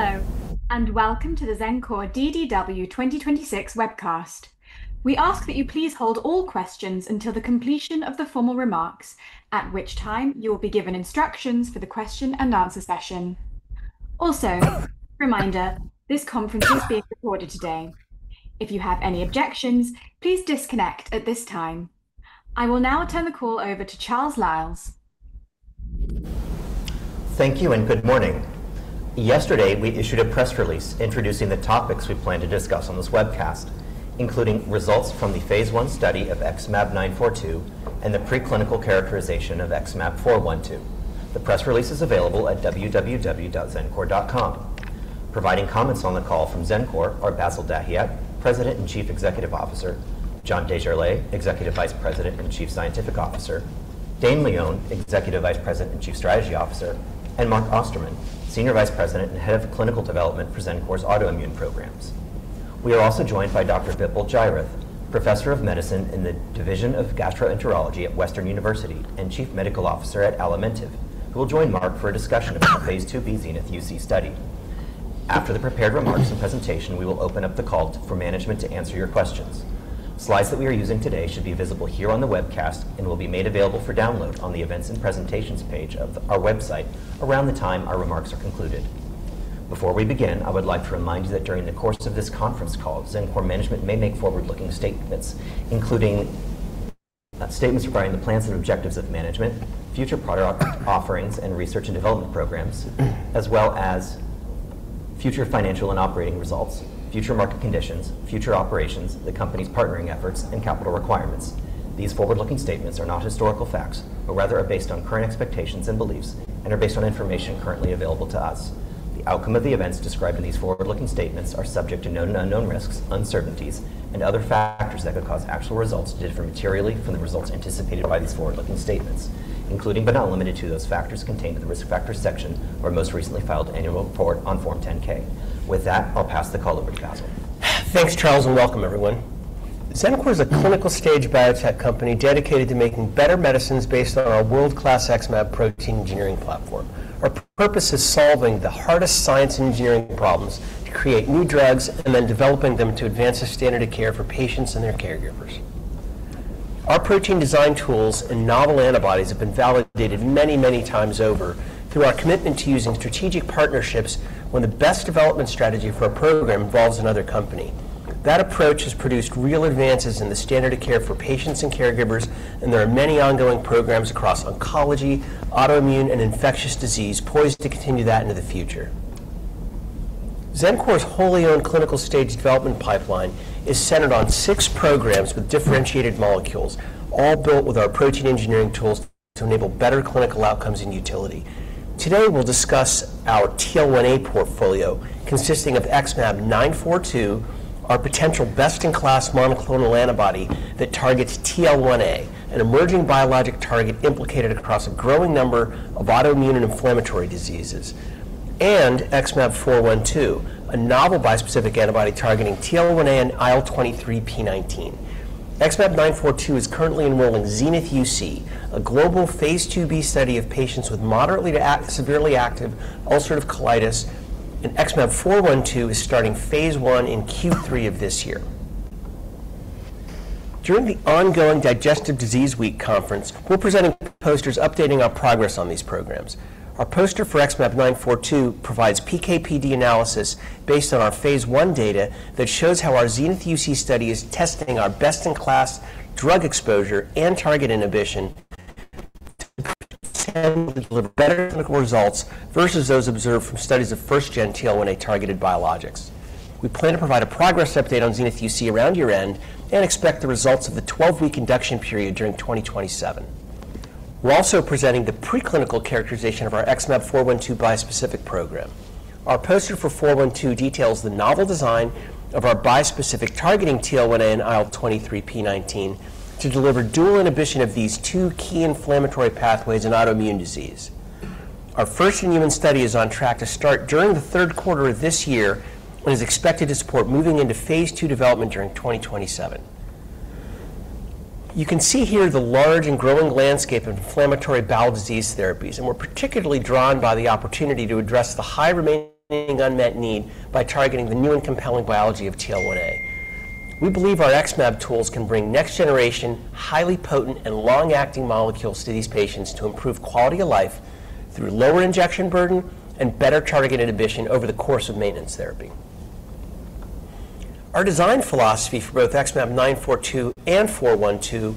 Hello, welcome to the Xencor DDW 2026 webcast. We ask that you please hold all questions until the completion of the formal remarks, at which time you will be given instructions for the question and answer session. Reminder, this conference is being recorded today. If you have any objections, please disconnect at this time. I will now turn the call over to Charles Liles. Thank you and good morning. Yesterday, we issued a press release introducing the topics we plan to discuss on this webcast, including results from the Phase I study of XmAb942 and the preclinical characterization of XmAb412. The press release is available at www.xencor.com. Providing comments on the call from Xencor are Bassil Dahiyat, President and Chief Executive Officer, John Desjarlais, Executive Vice President and Chief Scientific Officer, Dane Leone, Executive Vice President and Chief Strategy Officer, and Mark Osterman, Senior Vice President and Head of Clinical Development for Xencor's Autoimmune Programs. We are also joined by Dr. Vipul Jairath, Professor of Medicine in the Division of Gastroenterology at Western University and Chief Medical Officer at Alimentiv, who will join Mark for a discussion about the Phase IIb XENITH-UC study. After the prepared remarks and presentation, we will open up the call for management to answer your questions. Slides that we are using today should be visible here on the webcast and will be made available for download on the Events and Presentations page of our website around the time our remarks are concluded. Before we begin, I would like to remind you that during the course of this conference call, Xencor management may make forward-looking statements, including statements regarding the plans and objectives of management, future product offerings and research and development programs, as well as future financial and operating results, future market conditions, future operations, the company's partnering efforts and capital requirements. These forward-looking statements are not historical facts, but rather are based on current expectations and beliefs and are based on information currently available to us. The outcome of the events described in these forward-looking statements are subject to known and unknown risks, uncertainties and other factors that could cause actual results to differ materially from the results anticipated by these forward-looking statements, including but not limited to those factors contained in the Risk Factors section or most recently filed annual report on Form 10-K. With that, I'll pass the call over to Bassil. Thanks, Charles, and welcome everyone. Xencor is a clinical-stage biotech company dedicated to making better medicines based on our world-class XmAb protein engineering platform. Our purpose is solving the hardest science engineering problems to create new drugs and then developing them to advance the standard of care for patients and their caregivers. Our protein design tools and novel antibodies have been validated many, many times over through our commitment to using strategic partnerships when the best development strategy for a program involves another company. That approach has produced real advances in the standard of care for patients and caregivers. There are many ongoing programs across oncology, autoimmune, and infectious disease poised to continue that into the future. Xencor's wholly owned clinical-stage development pipeline is centered on six programs with differentiated molecules, all built with our protein engineering tools to enable better clinical outcomes and utility. Today, we'll discuss our TL1A portfolio consisting of XmAb942, our potential best-in-class monoclonal antibody that targets TL1A, an emerging biologic target implicated across a growing number of autoimmune and inflammatory diseases, and XmAb412, a novel bispecific antibody targeting TL1A and IL-23p19. XmAb942 is currently enrolled in XENITH-UC, a global Phase IIb study of patients with moderately to severely active ulcerative colitis, and XmAb412 is starting Phase I in Q3 of this year. During the ongoing Digestive Disease Week conference, we're presenting posters updating our progress on these programs. Our poster for XmAb942 provides PK/PD analysis based on our phase I data that shows how our XENITH-UC study is testing our best-in-class drug exposure and target inhibition to 10 to deliver better clinical results versus those observed from studies of first gen TL1A-targeted biologics. We plan to provide a progress update on XENITH-UC around year-end and expect the results of the 12-week induction period during 2027. We're also presenting the preclinical characterization of our XmAb412 bispecific program. Our poster for XmAb412 details the novel design of our bispecific targeting TL1A and IL-23p19 to deliver dual inhibition of these two key inflammatory pathways in autoimmune disease. Our first human study is on track to start during the third quarter of this year and is expected to support moving into phase II development during 2027. You can see here the large and growing landscape of inflammatory bowel disease therapies, and we're particularly drawn by the opportunity to address the high remaining unmet need by targeting the new and compelling biology of TL1A. We believe our XmAb tools can bring next generation, highly potent and long-acting molecules to these patients to improve quality of life through lower injection burden and better target inhibition over the course of maintenance therapy. Our design philosophy for both XmAb942 and XmAb412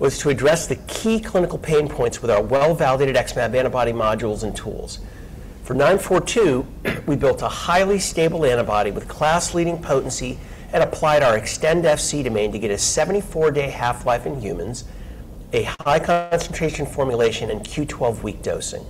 was to address the key clinical pain points with our well-validated XmAb antibody modules and tools. For 942, we built a highly stable antibody with class-leading potency and applied our Xtend Fc domain to get a 74-day half-life in humans, a high concentration formulation, and Q12-week dosing.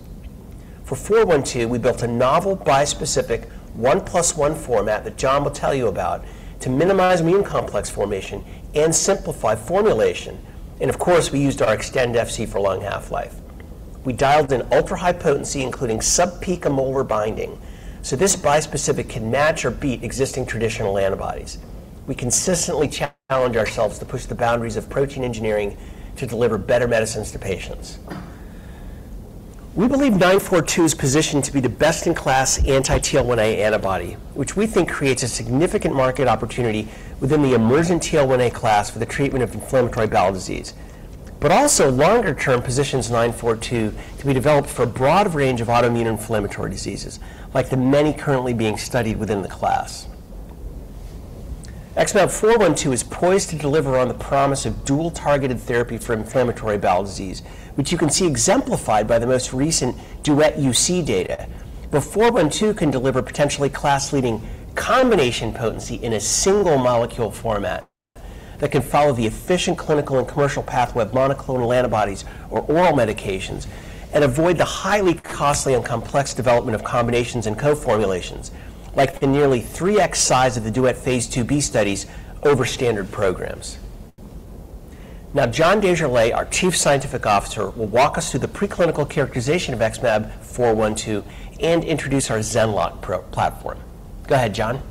For XmAb412, we built a novel bispecific 1+1 format that John will tell you about to minimize immune complex formation and simplify formulation. Of course, we used our Xtend Fc domain for long half-life. We dialed in ultra-high potency, including sub-picomolar binding, so this bispecific can match or beat existing traditional antibodies. We consistently challenge ourselves to push the boundaries of protein engineering to deliver better medicines to patients. We believe XmAb942 is positioned to be the best-in-class anti-TL1A antibody, which we think creates a significant market opportunity within the emerging TL1A class for the treatment of inflammatory bowel disease. Also longer-term positions XmAb942 can be developed for a broad range of autoimmune inflammatory diseases, like the many currently being studied within the class. XmAb412 is poised to deliver on the promise of dual-targeted therapy for inflammatory bowel disease, which you can see exemplified by the most recent DUET-UC data, where 412 can deliver potentially class-leading combination potency in a single molecule format that can follow the efficient clinical and commercial pathway of monoclonal antibodies or oral medications and avoid the highly costly and complex development of combinations and co-formulations, like the nearly 3x size of the DUET Phase IIb studies over standard programs. John Desjarlais, our Chief Scientific Officer, will walk us through the preclinical characterization of XmAb412 and introduce our Zenlock Fab platform. Go ahead, John.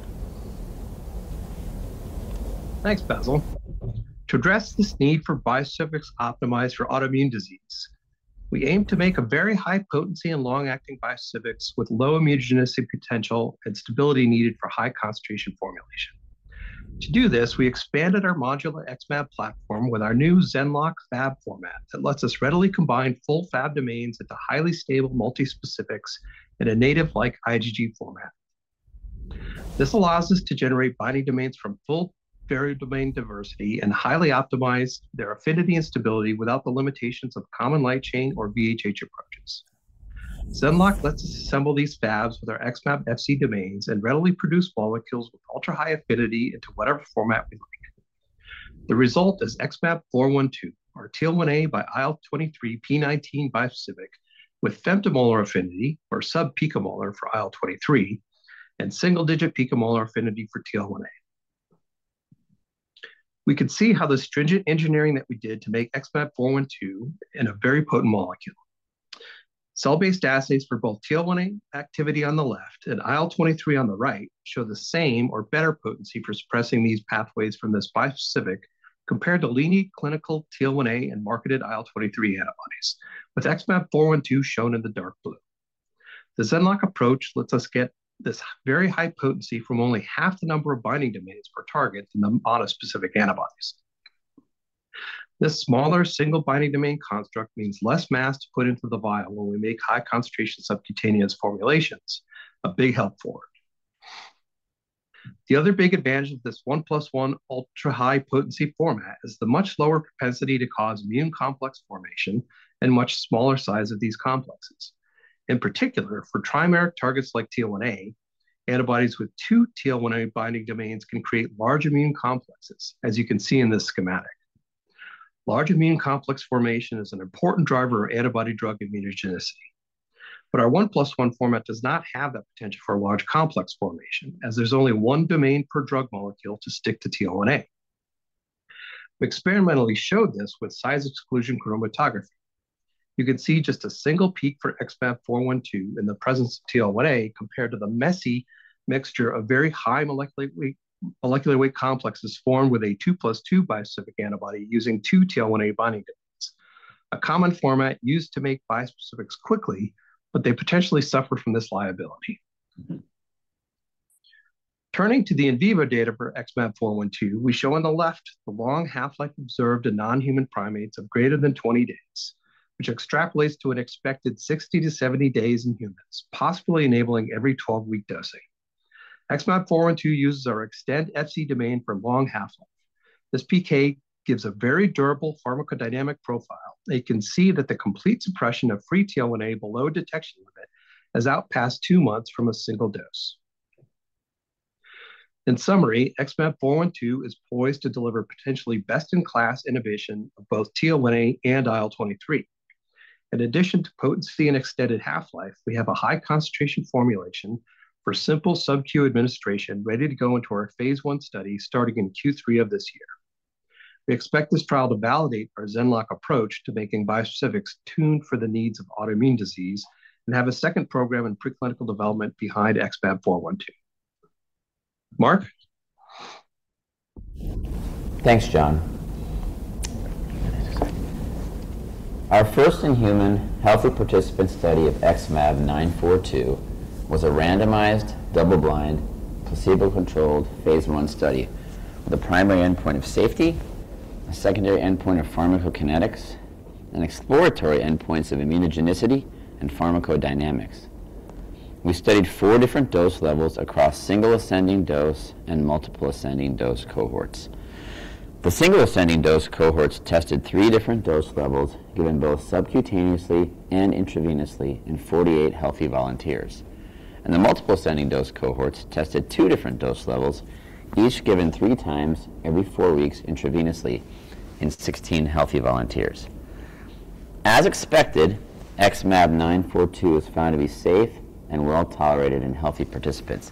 Thanks, Bassil. To address this need for bispecifics optimized for autoimmune disease, we aim to make a very high potency and long-acting bispecifics with low immunogenicity potential and stability needed for high concentration formulation. To do this, we expanded our modular XmAb platform with our new XenLock Fab format that lets us readily combine full Fab domains into highly stable multispecifics in a native-like IgG format. This allows us to generate binding domains from full variable domain diversity and highly optimize their affinity and stability without the limitations of common light chain or VHH approaches. XenLock lets us assemble these Fabs with our XmAb Fc domains and readily produce molecules with ultra-high affinity into whatever format we like. The result is XmAb412, our TL1A by IL-23p19 bispecific, with femtomolar affinity, or sub-picomolar for IL-23, and single-digit picomolar affinity for TL1A. We can see how the stringent engineering that we did to make XmAb412 into a very potent molecule. Cell-based assays for both TL1A activity on the left and IL-23 on the right show the same or better potency for suppressing these pathways from this bispecific compared to leading clinical TL1A and marketed IL-23 antibodies, with XmAb412 shown in the dark blue. The XenLock approach lets us get this very high potency from only half the number of binding domains per target in the monospecific antibodies. This smaller single binding domain construct means less mass to put into the vial when we make high concentration subcutaneous formulations, a big help for it. The other big advantage of this one plus one ultra-high potency format is the much lower propensity to cause immune complex formation and much smaller size of these complexes. In particular, for trimeric targets like TL1A, antibodies with 2 TL1A binding domains can create large immune complexes, as you can see in this schematic. Large immune complex formation is an important driver of antibody drug immunogenicity. Our 1 plus 1 format does not have that potential for a large complex formation, as there's only 1 domain per drug molecule to stick to TL1A. We experimentally showed this with size exclusion chromatography. You can see just a single peak for XmAb412 in the presence of TL1A compared to the messy mixture of very high molecular weight complexes formed with a 2 plus 2 bispecific antibody using 2 TL1A binding domains, a common format used to make bispecifics quickly, but they potentially suffer from this liability. Turning to the in vivo data for XmAb412, we show on the left the long half-life observed in non-human primates of greater than 20 days, which extrapolates to an expected 60-70 days in humans, possibly enabling every 12-week dosing. XmAb412 uses our Xtend Fc domain for long half-life. This PK gives a very durable pharmacodynamic profile, and you can see that the complete suppression of free TL1A below detection limit has outpaced two months from a single dose. In summary, XmAb412 is poised to deliver potentially best-in-class innovation of both TL1A and IL-23. In addition to potency and extended half-life, we have a high concentration formulation for simple sub-Q administration ready to go into our phase I study starting in Q3 of this year. We expect this trial to validate our XenLock approach to making bispecifics tuned for the needs of autoimmune disease and have a second program in preclinical development behind XmAb412. Mark? Thanks, John. Our first-in-human healthy participant study of XmAb942 was a randomized, double-blind, placebo-controlled phase I study with a primary endpoint of safety, a secondary endpoint of pharmacokinetics, and exploratory endpoints of immunogenicity and pharmacodynamics. We studied 4 different dose levels across single ascending dose and multiple ascending dose cohorts. The single ascending dose cohorts tested 3 different dose levels given both subcutaneously and intravenously in 48 healthy volunteers. The multiple ascending dose cohorts tested 2 different dose levels, each given 3 times every 4 weeks intravenously in 16 healthy volunteers. As expected, XmAb942 was found to be safe and well-tolerated in healthy participants,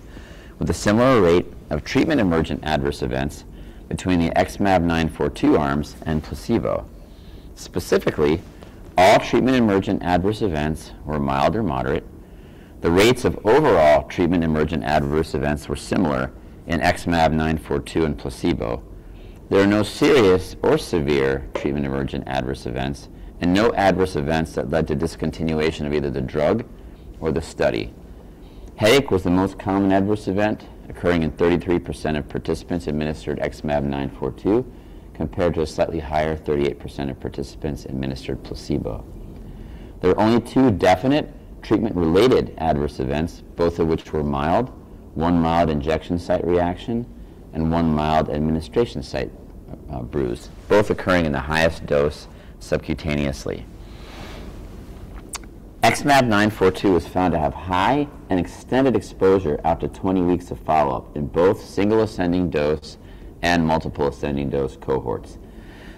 with a similar rate of treatment-emergent adverse events between the XmAb942 arms and placebo. Specifically, all treatment-emergent adverse events were mild or moderate. The rates of overall treatment-emergent adverse events were similar in XmAb942 and placebo. There are no serious or severe treatment-emergent adverse events and no adverse events that led to discontinuation of either the drug or the study. Headache was the most common adverse event, occurring in 33% of participants administered XmAb942 compared to a slightly higher 38% of participants administered placebo. There are only two definite treatment-related adverse events, both of which were mild. One mild injection site reaction and one mild administration site bruise, both occurring in the highest dose subcutaneously. XmAb942 was found to have high and extended exposure after 20 weeks of follow-up in both single ascending dose and multiple ascending dose cohorts.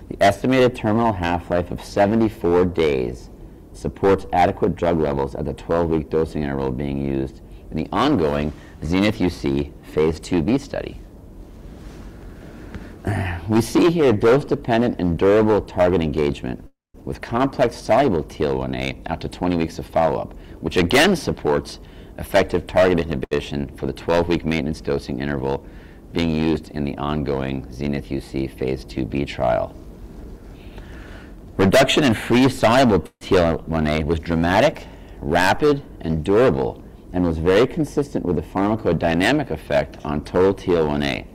The estimated terminal half-life of 74 days supports adequate drug levels at the 12-week dosing interval being used in the ongoing XENITH-UC Phase IIb study. We see here dose-dependent and durable target engagement with complex soluble TL1A after 20 weeks of follow-up, which again supports effective target inhibition for the 12-week maintenance dosing interval being used in the ongoing XENITH-UC Phase IIb trial. Reduction in free soluble TL1A was dramatic, rapid, and durable and was very consistent with the pharmacodynamic effect on total TL1A,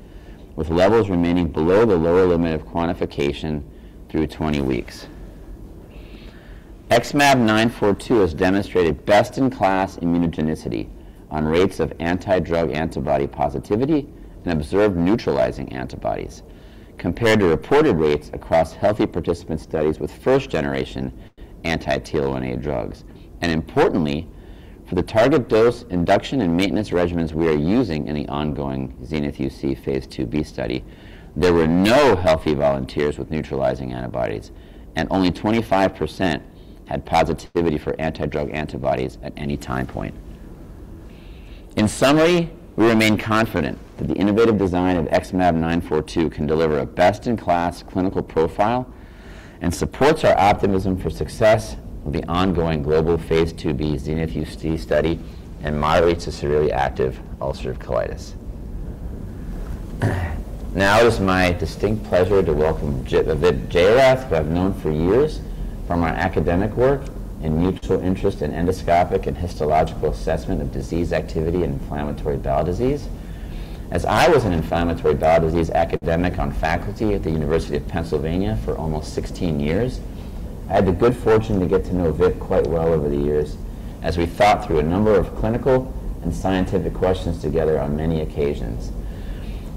with levels remaining below the lower limit of quantification through 20 weeks. XmAb942 has demonstrated best-in-class immunogenicity on rates of anti-drug antibody positivity and observed neutralizing antibodies compared to reported rates across healthy participant studies with first generation anti-TL1A drugs. Importantly, for the target dose induction and maintenance regimens we are using in the ongoing XENITH-UC Phase IIb study, there were no healthy volunteers with neutralizing antibodies, and only 25% had positivity for anti-drug antibodies at any time point. In summary, we remain confident that the innovative design of XmAb942 can deliver a best-in-class clinical profile and supports our optimism for success of the ongoing global Phase IIb XENITH-UC study in moderate to severely active ulcerative colitis. It is my distinct pleasure to welcome Vipul Jairath, who I've known for years from our academic work and mutual interest in endoscopic and histological assessment of disease activity in inflammatory bowel disease. As I was an inflammatory bowel disease academic on faculty at the University of Pennsylvania for almost 16 years, I had the good fortune to get to know Vip quite well over the years as we thought through a number of clinical and scientific questions together on many occasions.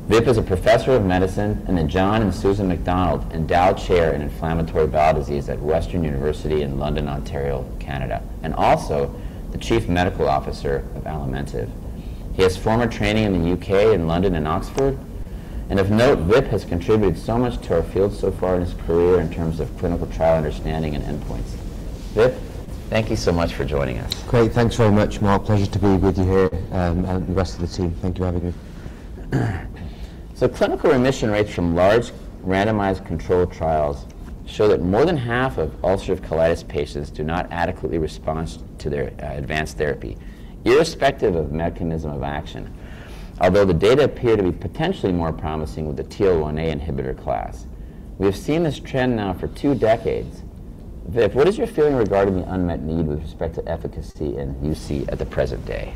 Vip is a Professor of Medicine in the John and Susan McDonald Endowed Chair in Inflammatory Bowel Disease at Western University in London, Ontario, Canada, and also the Chief Medical Officer of Alimentiv. He has former training in the U.K. in London and Oxford. Of note, Vip has contributed so much to our field so far in his career in terms of clinical trial understanding and endpoints. Vip, thank you so much for joining us. Great. Thanks very much, Mark. Pleasure to be with you here, and the rest of the team. Thank you for having me. Clinical remission rates from large randomized controlled trials show that more than half of ulcerative colitis patients do not adequately respond to their advanced therapy irrespective of mechanism of action. Although the data appear to be potentially more promising with the TL1A inhibitor class. We've seen this trend now for 2 decades. Vip, what is your feeling regarding the unmet need with respect to efficacy in UC at the present day?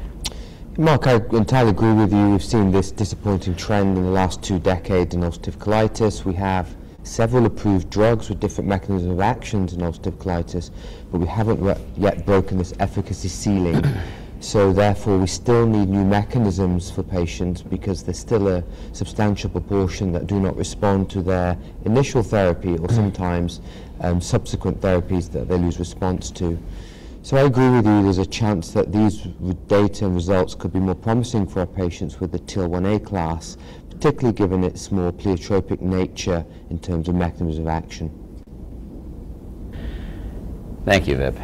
Mark, I entirely agree with you. We've seen this disappointing trend in the last 2 decades in ulcerative colitis. We have several approved drugs with different mechanisms of actions in ulcerative colitis, but we haven't yet broken this efficacy ceiling. Therefore, we still need new mechanisms for patients because there's still a substantial proportion that do not respond to their initial therapy or sometimes subsequent therapies that they lose response to. I agree with you. There's a chance that these data results could be more promising for our patients with the TL1A class, particularly given its more pleiotropic nature in terms of mechanisms of action. Thank you, Vip.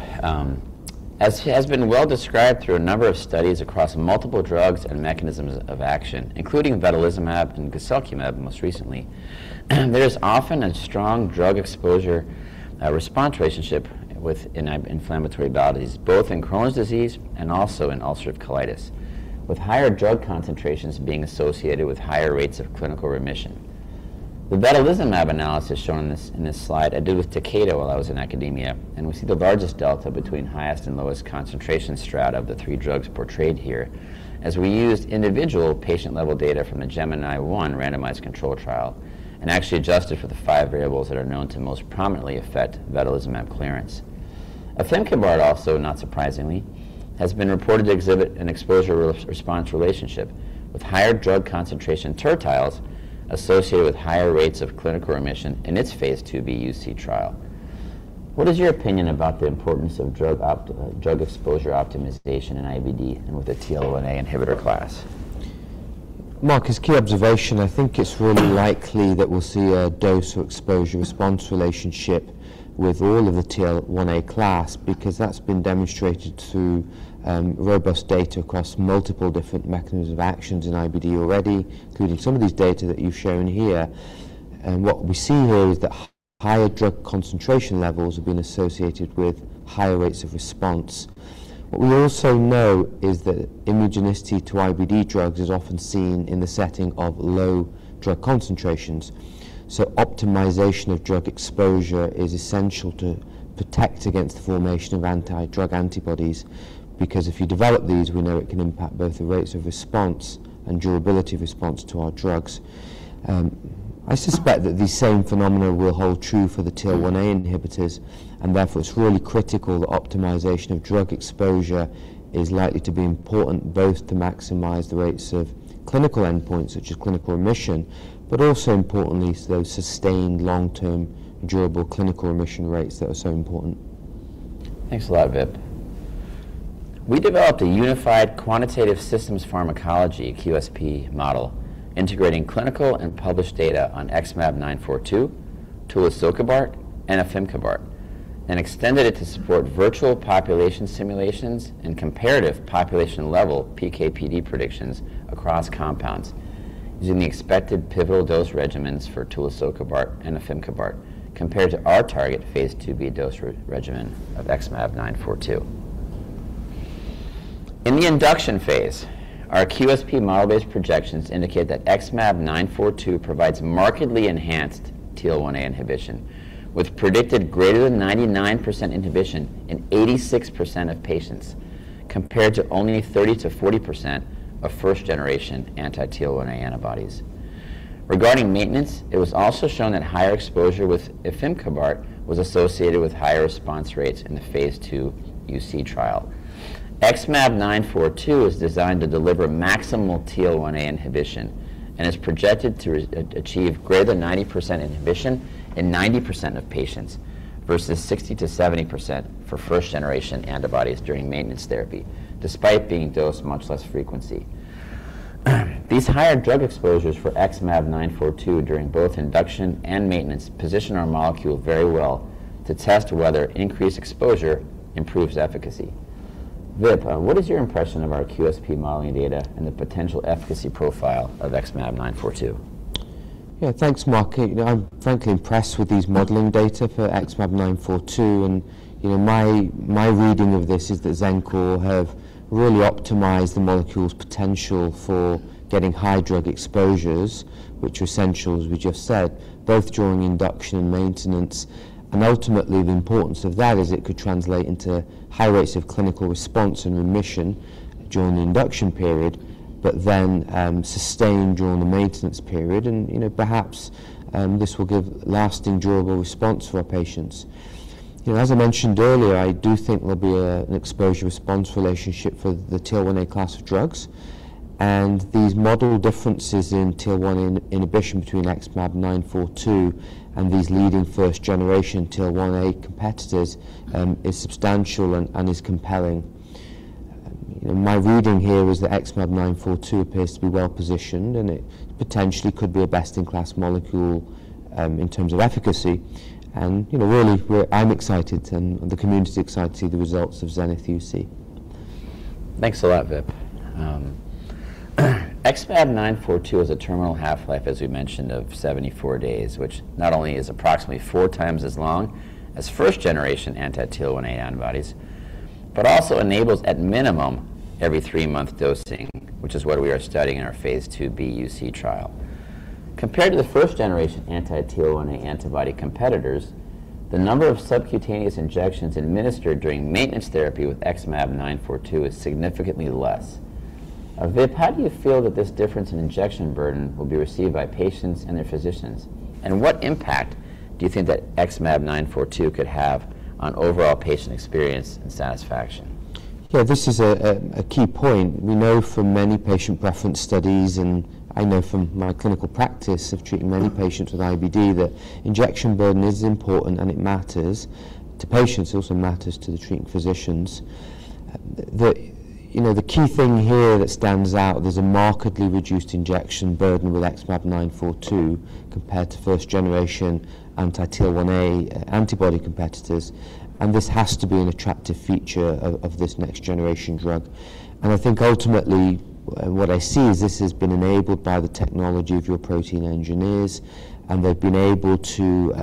As has been well described through a number of studies across multiple drugs and mechanisms of action, including vedolizumab and guselkumab most recently, there is often a strong drug exposure response relationship in inflammatory bowel disease, both in Crohn's disease and also in ulcerative colitis, with higher drug concentrations being associated with higher rates of clinical remission. The vedolizumab analysis shown in this slide I did with Takeda while I was in academia, we see the largest delta between highest and lowest concentration strata of the 3 drugs portrayed here as we used individual patient-level data from the GEMINI I randomized control trial and actually adjusted for the 5 variables that are known to most prominently affect vedolizumab clearance. Oflimabart also, not surprisingly, has been reported to exhibit an exposure re-response relationship with higher drug concentration tertiles associated with higher rates of clinical remission in its phase IIb UC trial. What is your opinion about the importance of drug exposure optimization in IBD and with the TL1A inhibitor class? Mark, as key observation, I think it's really likely that we'll see a dose or exposure response relationship with all of the TL1A class because that's been demonstrated through robust data across multiple different mechanisms of actions in IBD already, including some of these data that you've shown here. What we see here is that higher drug concentration levels have been associated with higher rates of response. What we also know is that immunogenicity to IBD drugs is often seen in the setting of low drug concentrations. Optimization of drug exposure is essential to protect against the formation of anti-drug antibodies, because if you develop these, we know it can impact both the rates of response and durability of response to our drugs. I suspect that the same phenomena will hold true for the TYK2 inhibitors, and therefore it's really critical that optimization of drug exposure is likely to be important both to maximize the rates of clinical endpoints, such as clinical remission, but also importantly, those sustained long-term durable clinical remission rates that are so important. Thanks a lot, Vip. We developed a unified quantitative systems pharmacology, QSP, model integrating clinical and published data on XmAb942, tulisokibart, and efimcobart, and extended it to support virtual population simulations and comparative population-level PK/PD predictions across compounds using the expected pivotal dose regimens for tulisokibart and efimcobart compared to our target Phase IIB dose re-regimen of XmAb942. In the induction phase, our QSP model-based projections indicate that XmAb942 provides markedly enhanced TYK2 inhibition, with predicted greater than 99% inhibition in 86% of patients, compared to only 30%-40% of first-generation anti-TL1A antibodies. Regarding maintenance, it was also shown that higher exposure with efimcobart was associated with higher response rates in the Phase II UC trial. XmAb942 is designed to deliver maximal TYK2 inhibition and is projected to achieve greater than 90% inhibition in 90% of patients versus 60%-70% for first-generation antibodies during maintenance therapy, despite being dosed much less frequency. These higher drug exposures for XmAb942 during both induction and maintenance position our molecule very well to test whether increased exposure improves efficacy. Vip, what is your impression of our QSP modeling data and the potential efficacy profile of XmAb942? Yeah, thanks, Mark. You know, I'm frankly impressed with these modeling data for XmAb942. You know, my reading of this is that Xencor have really optimized the molecule's potential for getting high drug exposures, which are essential, as we just said, both during induction and maintenance. Ultimately, the importance of that is it could translate into high rates of clinical response and remission during the induction period, sustained during the maintenance period. You know, perhaps, this will give lasting durable response for our patients. You know, as I mentioned earlier, I do think there'll be an exposure-response relationship for the TYK2 class of drugs. These model differences in TYK2 inhibition between XmAb942 and these leading first-generation TYK2 competitors, is substantial and is compelling. You know, my reading here is that XmAb942 appears to be well-positioned, and it potentially could be a best-in-class molecule in terms of efficacy. You know, really I'm excited and the community's excited to see the results of XENITH-UC. Thanks a lot, Vip. XmAb942 has a terminal half-life, as we mentioned, of 74 days, which not only is approximately 4 times as long as first-generation anti-TL1A antibodies, but also enables at minimum every 3-month dosing, which is what we are studying in our Phase IIb UC trial. Compared to the first-generation anti-TYK2 antibody competitors, the number of subcutaneous injections administered during maintenance therapy with XmAb942 is significantly less. Vip, how do you feel that this difference in injection burden will be received by patients and their physicians? What impact do you think that XmAb942 could have on overall patient experience and satisfaction? Yeah. This is a key point. We know from many patient preference studies, and I know from my clinical practice of treating many patients with IBD, that injection burden is important, and it matters to patients. It also matters to the treating physicians. The key thing here that stands out, there's a markedly reduced injection burden with XmAb942 compared to first-generation anti-TYK2 antibody competitors, and this has to be an attractive feature of this next-generation drug. I think ultimately, what I see is this has been enabled by the technology of your protein engineers, and they've been able to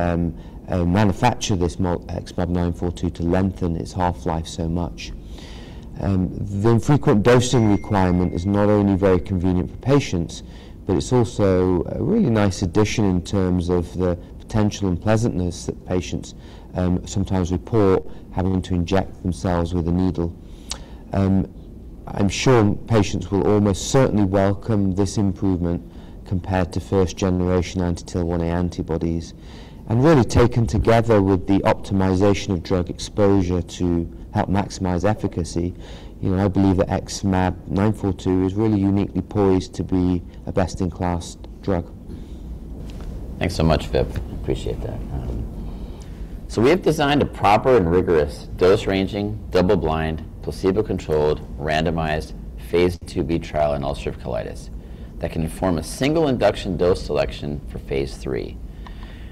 manufacture this XmAb942 to lengthen its half-life so much. The infrequent dosing requirement is not only very convenient for patients, but it's also a really nice addition in terms of the potential unpleasantness that patients sometimes report having to inject themselves with a needle. I'm sure patients will almost certainly welcome this improvement compared to first-generation anti-TL1A antibodies. Really taken together with the optimization of drug exposure to help maximize efficacy, you know, I believe that XmAb942 is really uniquely poised to be a best-in-class drug. Thanks so much, Vip. Appreciate that. We have designed a proper and rigorous dose-ranging, double-blind, placebo-controlled, randomized phase IIb trial in ulcerative colitis that can inform a single induction dose selection for phase III.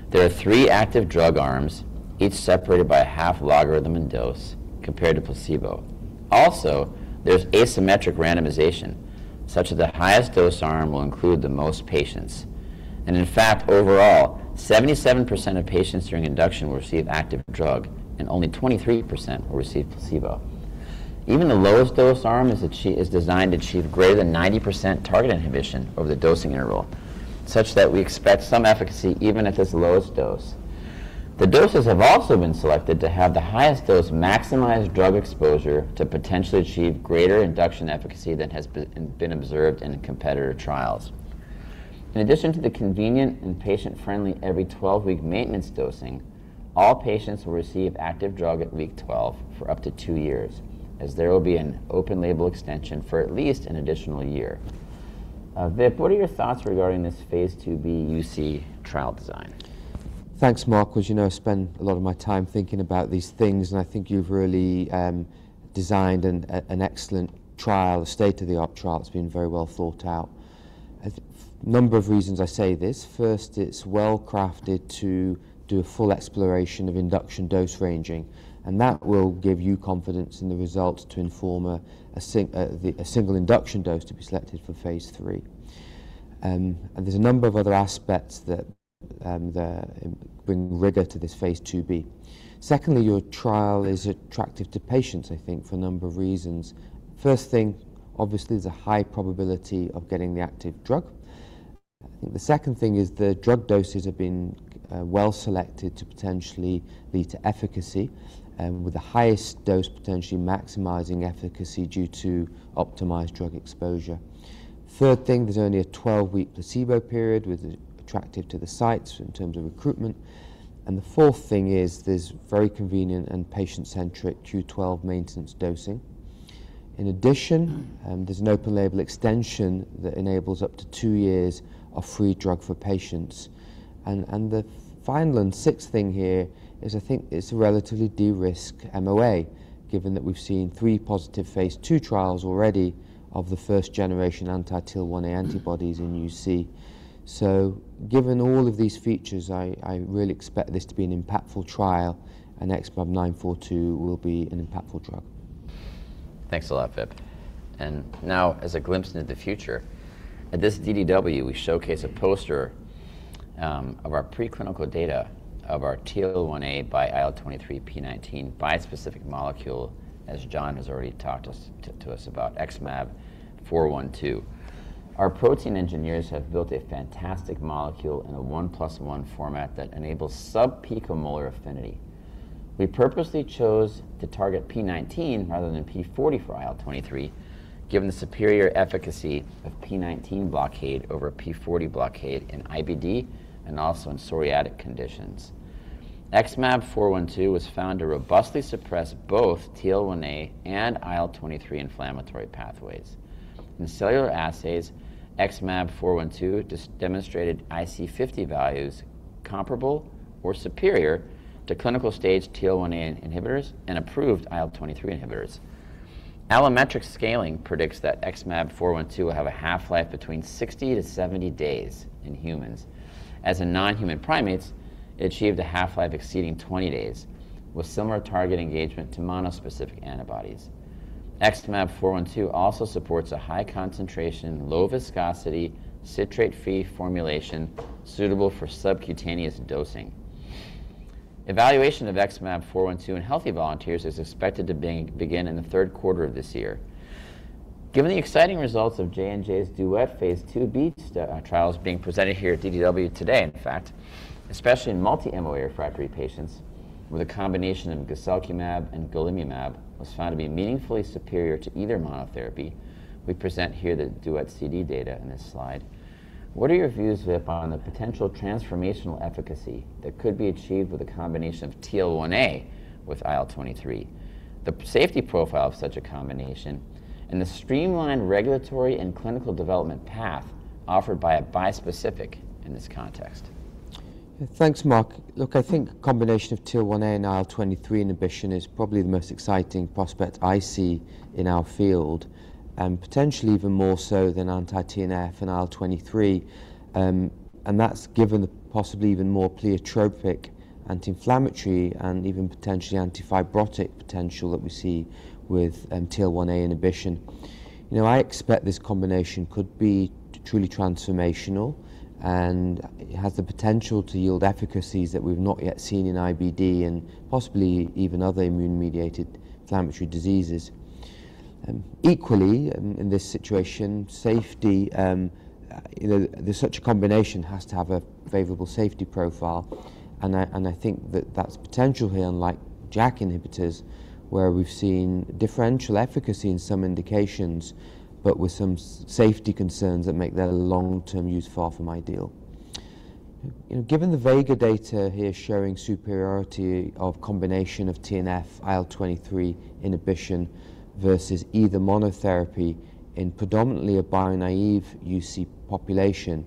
There are 3 active drug arms, each separated by a half logarithm in dose compared to placebo. There's asymmetric randomization such that the highest dose arm will include the most patients. In fact, overall, 77% of patients during induction will receive active drug, and only 23% will receive placebo. Even the lowest dose arm is designed to achieve greater than 90% target inhibition over the dosing interval, such that we expect some efficacy even at this lowest dose. The doses have also been selected to have the highest dose maximize drug exposure to potentially achieve greater induction efficacy than has been observed in competitor trials. In addition to the convenient and patient-friendly every 12-week maintenance dosing, all patients will receive active drug at week 12 for up to 2 years, as there will be an open label extension for at least an additional year. Vipul, what are your thoughts regarding this phase IIb UC trial design? Thanks, Mark. Well, as you know, I spend a lot of my time thinking about these things, I think you've really designed an excellent trial, a state-of-the-art trial. It's been very well thought out. A number of reasons I say this. First, it's well-crafted to do a full exploration of induction dose ranging, that will give you confidence in the results to inform a single induction dose to be selected for phase III. There's a number of other aspects that bring rigor to this phase IIb. Secondly, your trial is attractive to patients, I think, for a number of reasons. First thing, obviously, there's a high probability of getting the active drug. I think the second thing is the drug doses have been well selected to potentially lead to efficacy with the highest dose potentially maximizing efficacy due to optimized drug exposure. Third thing, there's only a 12-week placebo period with attractive to the sites in terms of recruitment. The fourth thing is there's very convenient and patient-centric Q12 maintenance dosing. In addition, there's an open label extension that enables up to two years of free drug for patients. The final and sixth thing here is I think it's a relatively de-risk MOA, given that we've seen three positive phase II trials already of the first-generation anti-TL1A antibodies in UC. Given all of these features, I really expect this to be an impactful trial, and XmAb942 will be an impactful drug. Thanks a lot, Vip. As a glimpse into the future, at this DDW, we showcase a poster of our preclinical data of our TL1A by IL-23p19 bispecific molecule, as John has already talked to us about XmAb412. Our protein engineers have built a fantastic molecule in a 1 plus 1 format that enables sub-picomolar affinity. We purposely chose to target P19 rather than P40 for IL-23, given the superior efficacy of P19 blockade over P40 blockade in IBD and also in psoriatic conditions. XmAb412 was found to robustly suppress both TL1A and IL-23 inflammatory pathways. In cellular assays, XmAb412 demonstrated IC50 values comparable or superior to clinical-stage TL1A inhibitors and approved IL-23 inhibitors. Allometric scaling predicts that XmAb412 will have a half-life between 60-70 days in humans. As in non-human primates, it achieved a half-life exceeding 20 days, with similar target engagement to monospecific antibodies. XmAb412 also supports a high concentration, low viscosity, citrate-free formulation suitable for subcutaneous dosing. Evaluation of XmAb412 in healthy volunteers is expected to begin in the third quarter of this year. Given the exciting results of J&J's DUET phase IIb trials being presented here at DDW today, in fact, especially in multi-MOA refractory patients, where the combination of guselkumab and golimumab was found to be meaningfully superior to either monotherapy, we present here the DUET-CD data in this slide. What are your views, Vip, on the potential transformational efficacy that could be achieved with a combination of TL1A with IL-23, the safety profile of such a combination, and the streamlined regulatory and clinical development path offered by a bispecific in this context? Thanks, Mark. Look, I think combination of TL1A and IL-23 inhibition is probably the most exciting prospect I see in our field, potentially even more so than anti-TNF and IL-23. That's given the possibly even more pleiotropic, anti-inflammatory, and even potentially anti-fibrotic potential that we see with TL1A inhibition. You know, I expect this combination could be truly transformational, and it has the potential to yield efficacies that we've not yet seen in IBD and possibly even other immune-mediated inflammatory diseases. Equally in this situation, safety, you know, such a combination has to have a favorable safety profile, and I think that that's potential here, unlike JAK inhibitors, where we've seen differential efficacy in some indications but with some safety concerns that make their long-term use far from ideal. You know, given the VEGA data here showing superiority of combination of TNF, IL-23 inhibition versus either monotherapy in predominantly a bio-naive UC population,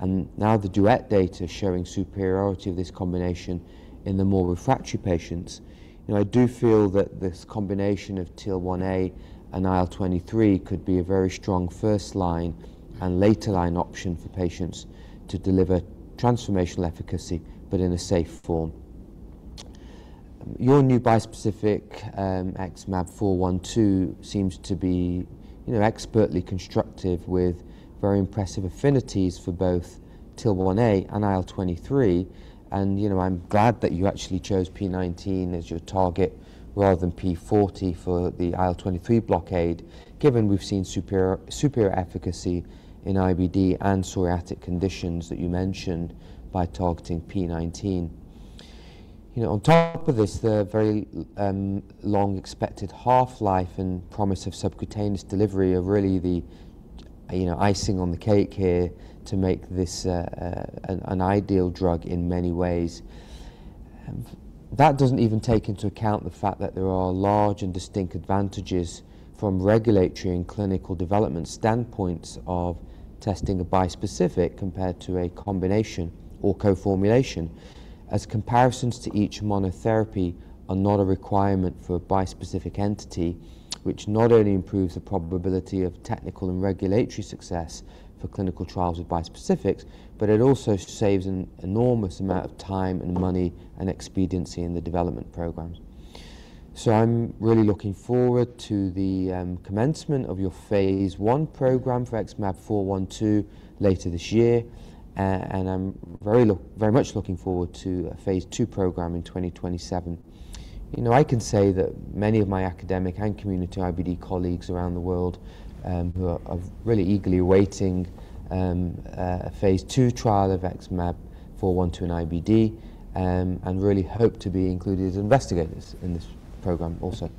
and now the DUET data showing superiority of this combination in the more refractory patients, you know, I do feel that this combination of TL1A and IL-23 could be a very strong first-line and later-line option for patients to deliver transformational efficacy but in a safe form. Your new bispecific XmAb412 seems to be, you know, expertly constructive with very impressive affinities for both TL1A and IL-23. You know, I'm glad that you actually chose P19 as your target rather than P40 for the IL-23 blockade, given we've seen superior efficacy in IBD and psoriatic conditions that you mentioned by targeting P19. You know, on top of this, the very long expected half-life and promise of subcutaneous delivery are really the, you know, icing on the cake here to make this an ideal drug in many ways. That doesn't even take into account the fact that there are large and distinct advantages from regulatory and clinical development standpoints of testing a bispecific compared to a combination or co-formulation, as comparisons to each monotherapy are not a requirement for a bispecific entity, which not only improves the probability of technical and regulatory success for clinical trials with bispecifics, but it also saves an enormous amount of time and money and expediency in the development programs. I'm really looking forward to the commencement of your Phase I program for XmAb412 later this year. I'm very much looking forward to a phase II program in 2027. You know, I can say that many of my academic and community IBD colleagues around the world, who are really eagerly awaiting a phase II trial of XmAb412 in IBD, and really hope to be included as investigators in this program also.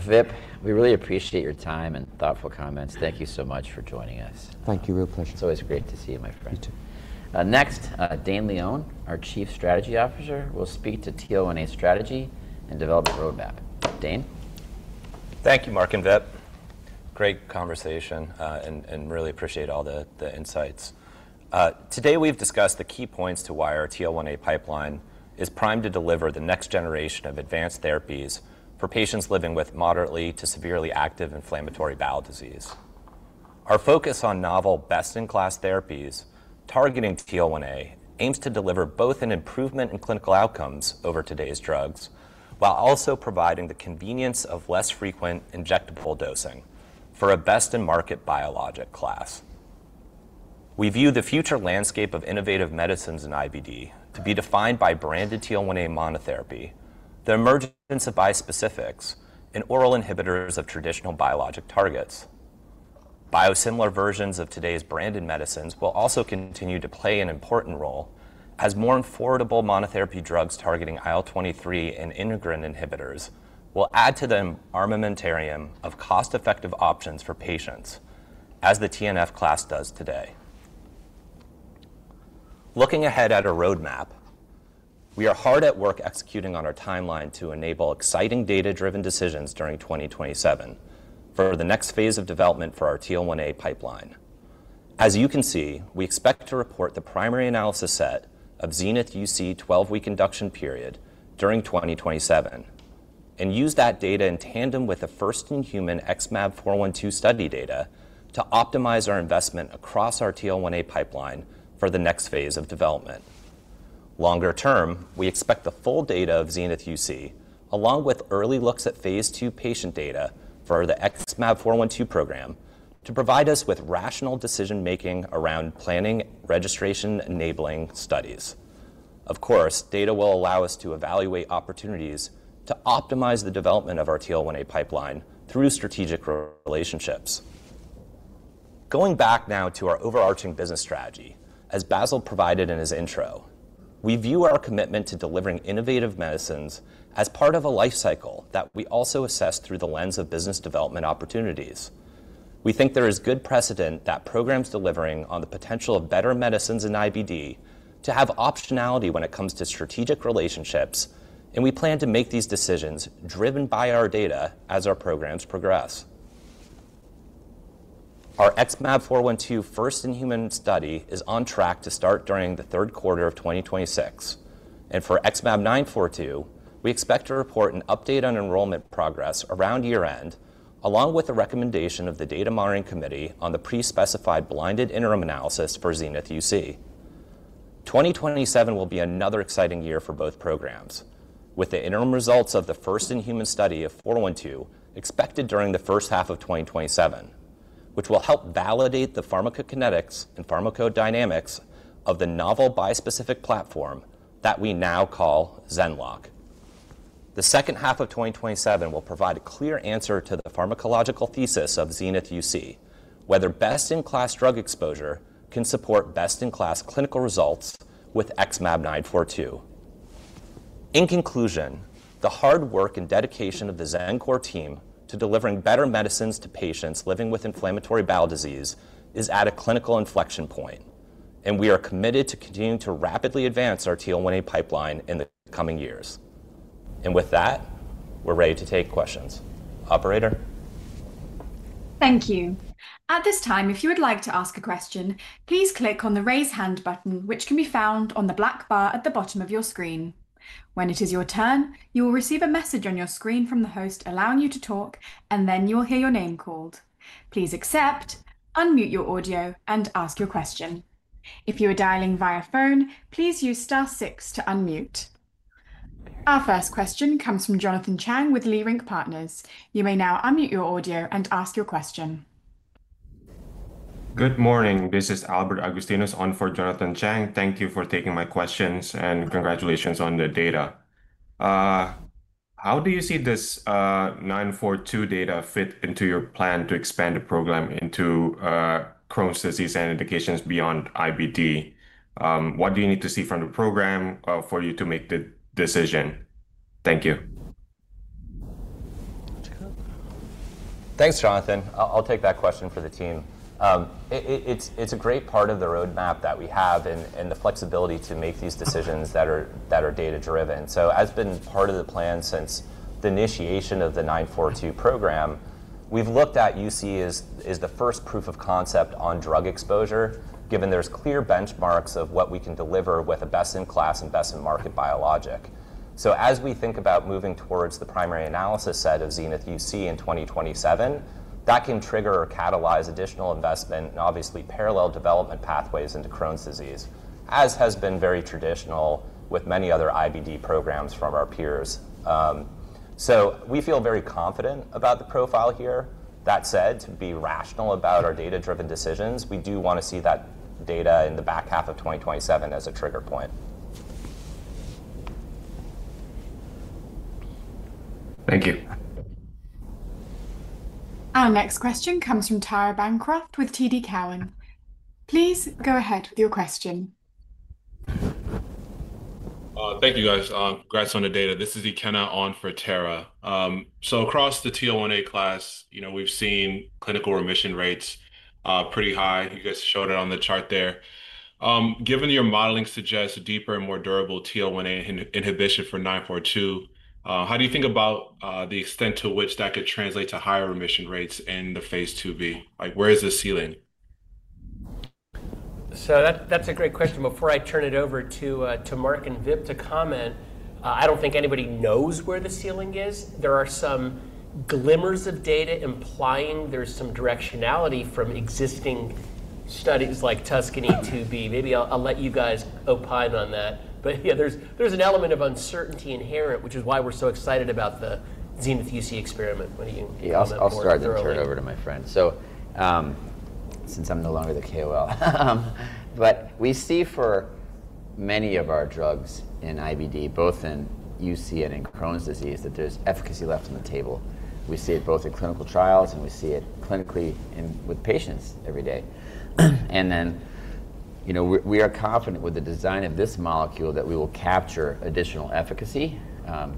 Vip, we really appreciate your time and thoughtful comments. Thank you so much for joining us. Thank you. Real pleasure. It's always great to see you, my friend. You too. Next, Dane Leone, our Chief Strategy Officer, will speak to TL1A strategy and development roadmap. Dane? Thank you, Mark and Vip. Great conversation, and really appreciate all the insights. Today we've discussed the key points to why our TL1A pipeline is primed to deliver the next generation of advanced therapies for patients living with moderately to severely active inflammatory bowel disease. Our focus on novel best-in-class therapies targeting TL1A aims to deliver both an improvement in clinical outcomes over today's drugs, while also providing the convenience of less frequent injectable dosing for a best-in-market biologic class. We view the future landscape of innovative medicines in IBD to be defined by branded TL1A monotherapy, the emergence of bispecifics, and oral inhibitors of traditional biologic targets. Biosimilar versions of today's branded medicines will also continue to play an important role, as more affordable monotherapy drugs targeting IL-23 and integrin inhibitors will add to the armamentarium of cost-effective options for patients, as the TNF class does today. Looking ahead at a roadmap, we are hard at work executing on our timeline to enable exciting data-driven decisions during 2027 for the next phase of development for our TL1A pipeline. As you can see, we expect to report the primary analysis set of XENITH-UC 12-week induction period during 2027 and use that data in tandem with the first-in-human XmAb412 study data to optimize our investment across our TL1A pipeline for the next phase of development. Longer term, we expect the full data of XENITH-UC, along with early looks at phase II patient data for the XmAb412 program, to provide us with rational decision-making around planning registration-enabling studies. Of course, data will allow us to evaluate opportunities to optimize the development of our TL1A pipeline through strategic relationships. Going back now to our overarching business strategy, as Bassil provided in his intro, we view our commitment to delivering innovative medicines as part of a life cycle that we also assess through the lens of business development opportunities. We think there is good precedent that programs delivering on the potential of better medicines in IBD to have optionality when it comes to strategic relationships. We plan to make these decisions driven by our data as our programs progress. Our XmAb412 first-in-human study is on track to start during the third quarter of 2026. For XmAb942, we expect to report an update on enrollment progress around year-end, along with a recommendation of the Data Monitoring Committee on the pre-specified blinded interim analysis for XENITH-UC. 2027 will be another exciting year for both programs, with the interim results of the first-in-human study of 412 expected during the first half of 2027, which will help validate the pharmacokinetics and pharmacodynamics of the novel bispecific platform that we now call XmAb. The second half of 2027 will provide a clear answer to the pharmacological thesis of XENITH-UC, whether best-in-class drug exposure can support best-in-class clinical results with XmAb942. In conclusion, the hard work and dedication of the Xencor team to delivering better medicines to patients living with inflammatory bowel disease is at a clinical inflection point, we are committed to continuing to rapidly advance our TL1A pipeline in the coming years. With that, we're ready to take questions. Operator? Thank you. At this time, if you would like to ask a question, please click on the Raise Hand button, which can be found on the black bar at the bottom of your screen. When it is your turn, you will receive a message on your screen from the host allowing you to talk, and then you will hear your name called. Please accept, unmute your audio, and ask your question. If you are dialing via phone please use Star 6 to unmute. Our first question comes from Jonathan Chang with Leerink Partners. You may now unmute your audio and ask your question. Good morning. This is Albert Agustinus on for Jonathan Chang. Thank you for taking my questions, and congratulations on the data. How do you see this XmAb942 data fit into your plan to expand the program into Crohn's disease and indications beyond IBD? What do you need to see from the program for you to make the decision? Thank you. Thanks, Jonathan. I'll take that question for the team. It's a great part of the roadmap that we have and the flexibility to make these decisions that are data-driven. Has been part of the plan since the initiation of the 942 program. We've looked at UC as the first proof of concept on drug exposure, given there's clear benchmarks of what we can deliver with a best-in-class and best-in-market biologic. As we think about moving towards the primary analysis set of XENITH-UC in 2027, that can trigger or catalyze additional investment and obviously parallel development pathways into Crohn's disease, as has been very traditional with many other IBD programs from our peers. We feel very confident about the profile here. That said, to be rational about our data-driven decisions, we do wanna see that data in the back half of 2027 as a trigger point. Thank you. Our next question comes from Tara Bancroft with TD Cowen. Please go ahead with your question. Thank you, guys. Congrats on the data. This is Ikenna on for Tara. Across the TL1A class, you know, we've seen clinical remission rates pretty high. You guys showed it on the chart there. Given your modeling suggests deeper and more durable TL1A inhibition for 942, how do you think about the extent to which that could translate to higher remission rates in the phase IIb? Like, where is the ceiling? That's a great question. Before I turn it over to Mark and Vip to comment, I don't think anybody knows where the ceiling is. There are some glimmers of data implying there's some directionality from existing studies like TUSCANY-2. Maybe I'll let you guys opine on that. Yeah, there's an element of uncertainty inherent, which is why we're so excited about the XENITH-UC experiment. You wanna talk more? Yeah, I'll start, turn it over to my friend. Since I'm no longer the KOL. We see for many of our drugs in IBD, both in UC and in Crohn's disease, that there's efficacy left on the table. We see it both in clinical trials, we see it clinically with patients every day. You know, we are confident with the design of this molecule that we will capture additional efficacy,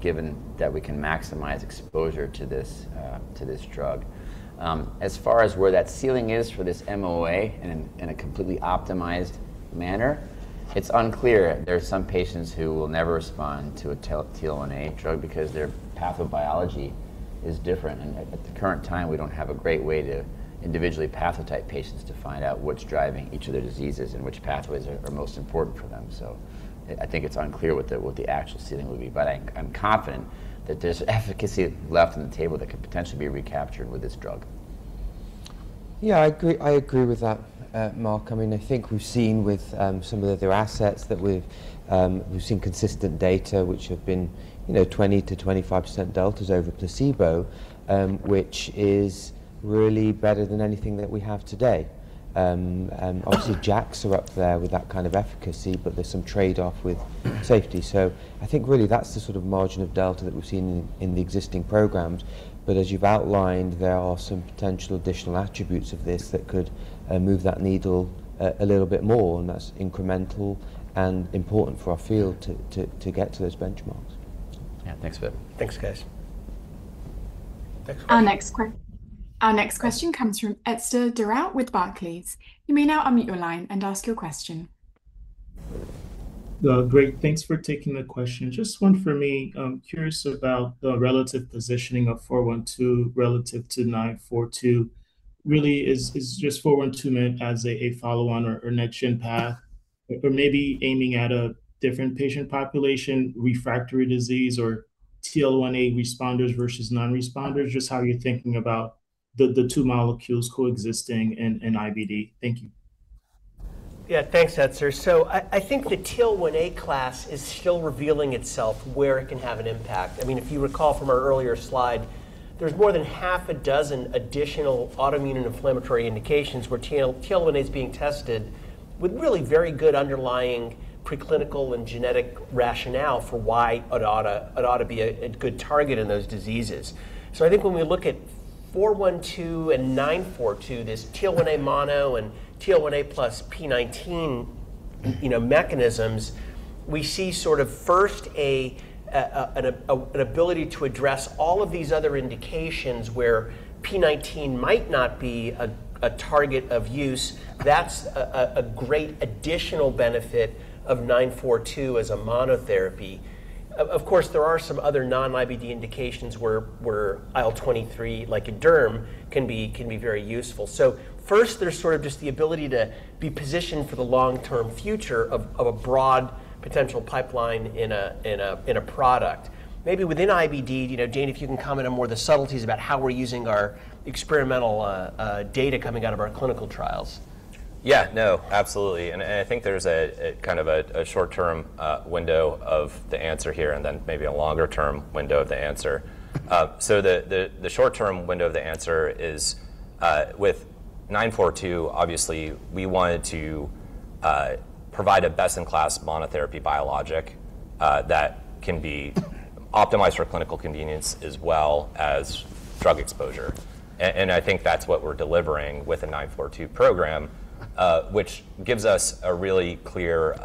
given that we can maximize exposure to this drug. As far as where that ceiling is for this MOA in a completely optimized manner, it's unclear. There are some patients who will never respond to a TL1A drug because their pathobiology is different. At the current time, we don't have a great way to individually pathotype patients to find out what's driving each of their diseases and which pathways are most important for them. I think it's unclear what the actual ceiling will be, but I'm confident that there's efficacy left on the table that could potentially be recaptured with this drug. I agree, I agree with that, Mark. I mean, I think we've seen with some of the other assets that we've seen consistent data which have been, you know, 20%-25% deltas over placebo, which is really better than anything that we have today. Obviously, JAKs are up there with that kind of efficacy, but there's some trade-off with safety. I think really that's the sort of margin of delta that we've seen in the existing programs. As you've outlined, there are some potential additional attributes of this that could move that needle a little bit more, and that's incremental and important for our field to get to those benchmarks. Yeah. Thanks, Vipul Jairath. Thanks, guys. Thanks. Our next question comes from Etzer Darout with Barclays. You may now unmute your line and ask your question. Great, thanks for taking the question. Just one for me. Curious about the relative positioning of 412 relative to 942. Really is just 412 meant as a follow-on or next gen path? Or maybe aiming at a different patient population, refractory disease or TL1A responders versus non-responders? Just how you're thinking about the two molecules coexisting in IBD. Thank you. Yeah, thanks, Etzer. I think the TL1A class is still revealing itself where it can have an impact. I mean, if you recall from our earlier slide, there's more than half a dozen additional autoimmune and inflammatory indications where TL1A is being tested with really very good underlying preclinical and genetic rationale for why it oughta be a good target in those diseases. I think when we look at XmAb412 and XmAb942, this TL1A mono and TL1A plus P19, you know, mechanisms, we see sort of first an ability to address all of these other indications where P19 might not be a target of use. That's a great additional benefit of XmAb942 as a monotherapy. Of course, there are some other non-IBD indications where IL-23, like in derm, can be very useful. First, there's sort of just the ability to be positioned for the long-term future of a broad potential pipeline in a product. Maybe within IBD, you know, Dane, if you can comment on more of the subtleties about how we're using our experimental data coming out of our clinical trials. No, absolutely. I think there's a kind of a short-term window of the answer here, then maybe a longer term window of the answer. The short-term window of the answer is with 942, obviously we wanted to provide a best-in-class monotherapy biologic that can be optimized for clinical convenience as well as drug exposure. I think that's what we're delivering with the 942 program, which gives us a really clear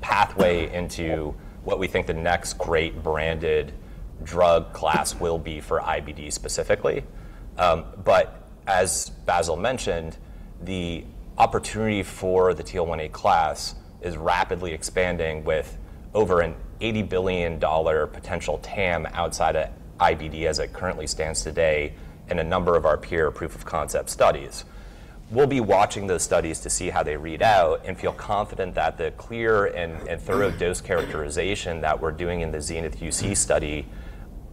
pathway into what we think the next great branded drug class will be for IBD specifically. As Bassil mentioned, the opportunity for the TL1A class is rapidly expanding with over an $80 billion potential TAM outside of IBD as it currently stands today in a number of our peer proof of concept studies. We'll be watching those studies to see how they read out, and feel confident that the clear and thorough dose characterization that we're doing in the XENITH-UC study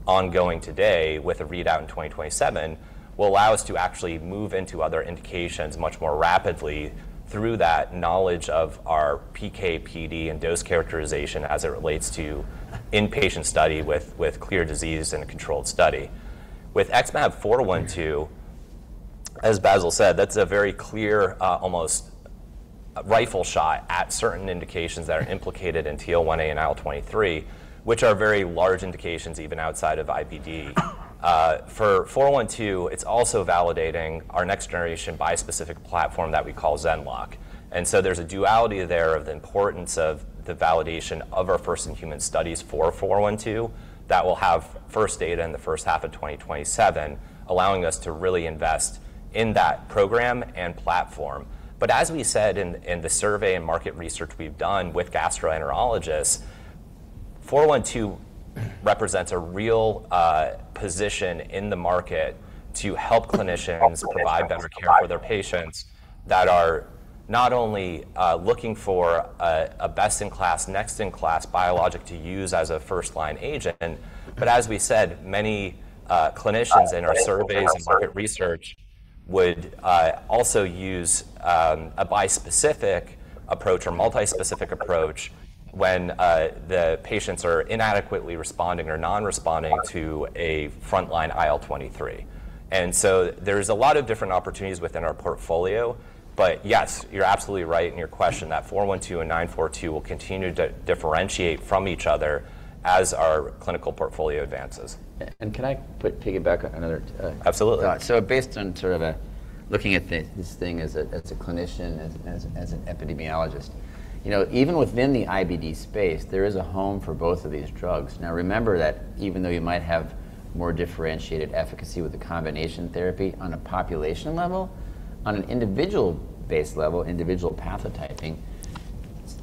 ongoing today with a readout in 2027 will allow us to actually move into other indications much more rapidly through that knowledge of our PK/PD and dose characterization as it relates to inpatient study with clear disease in a controlled study. With XmAb412, as Bassil said, that's a very clear, almost rifle shot at certain indications that are implicated in TL1A and IL-23, which are very large indications even outside of IBD. For 412, it's also validating our next generation bispecific platform that we call XenLock. There's a duality there of the importance of the validation of our first-in-human studies for 412 that will have first data in the first half of 2027, allowing us to really invest in that program and platform. As we said in the survey and market research we've done with gastroenterologists, 412 represents a real position in the market to help clinicians provide better care for their patients that are not only looking for a best-in-class, next-in-class biologic to use as a first-line agent, as we said, many clinicians in our surveys and market research would also use a bispecific approach or multispecific approach when the patients are inadequately responding or non-responding to a frontline IL-23. There's a lot of different opportunities within our portfolio. Yes, you're absolutely right in your question that 412 and 942 will continue to differentiate from each other as our clinical portfolio advances. Can I piggyback another. Absolutely thought. Based on sort of a looking at this thing as a clinician, as an epidemiologist, you know, even within the IBD space, there is a home for both of these drugs. Now remember that even though you might have more differentiated efficacy with the combination therapy on a population level, on an individual base level, individual pathotyping,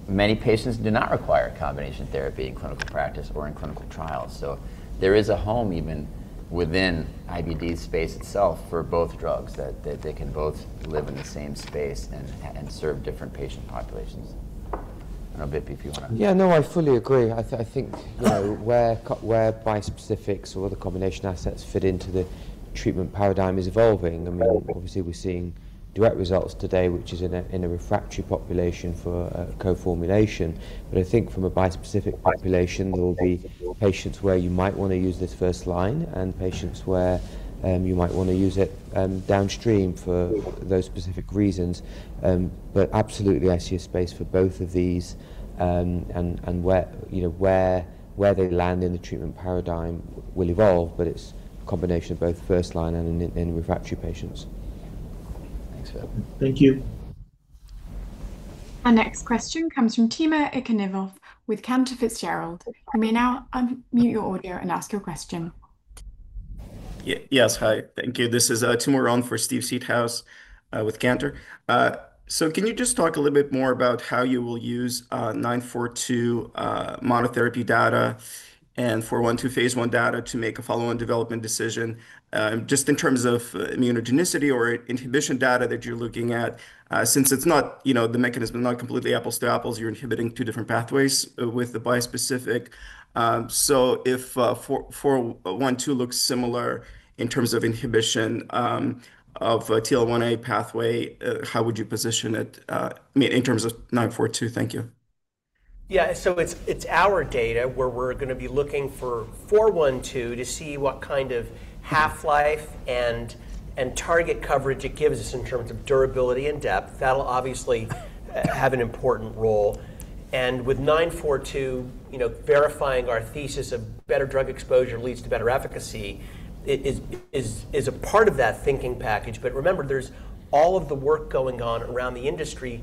many patients do not require combination therapy in clinical practice or in clinical trials. There is a home even within IBD space itself for both drugs that they can both live in the same space and serve different patient populations. I don't know, Vip. Yeah, no, I fully agree. You know, where bispecifics or other combination assets fit into the treatment paradigm is evolving. I mean, obviously we're seeing direct results today, which is in a refractory population for a co-formulation. I think from a bispecific population, there will be patients where you might want to use this first line and patients where you might want to use it downstream for those specific reasons. Absolutely I see a space for both of these, and where, you know, where they land in the treatment paradigm will evolve, but it's a combination of both first line and in refractory patients. Thanks for that. Thank you. Our next question comes from Timur Ivannikov with Cantor Fitzgerald. You may now unmute your audio and ask your question. Yes, hi. Thank you. This is Timur on for Steve Seedhouse with Cantor. Can you just talk a little bit more about how you will use 942 monotherapy data and 412 phase I data to make a follow on development decision, just in terms of immunogenicity or inhibition data that you're looking at? Since it's not, you know, the mechanism not completely apples to apples, you're inhibiting 2 different pathways with the bispecific. If 412 looks similar in terms of inhibition of TL1A pathway, how would you position it, I mean, in terms of 942? Thank you. Yeah. It's our data where we're gonna be looking for 412 to see what kind of half-life and target coverage it gives us in terms of durability and depth. That will obviously have an important role. With 942, you know, verifying our thesis of better drug exposure leads to better efficacy is a part of that thinking package. Remember, there's all of the work going on around the industry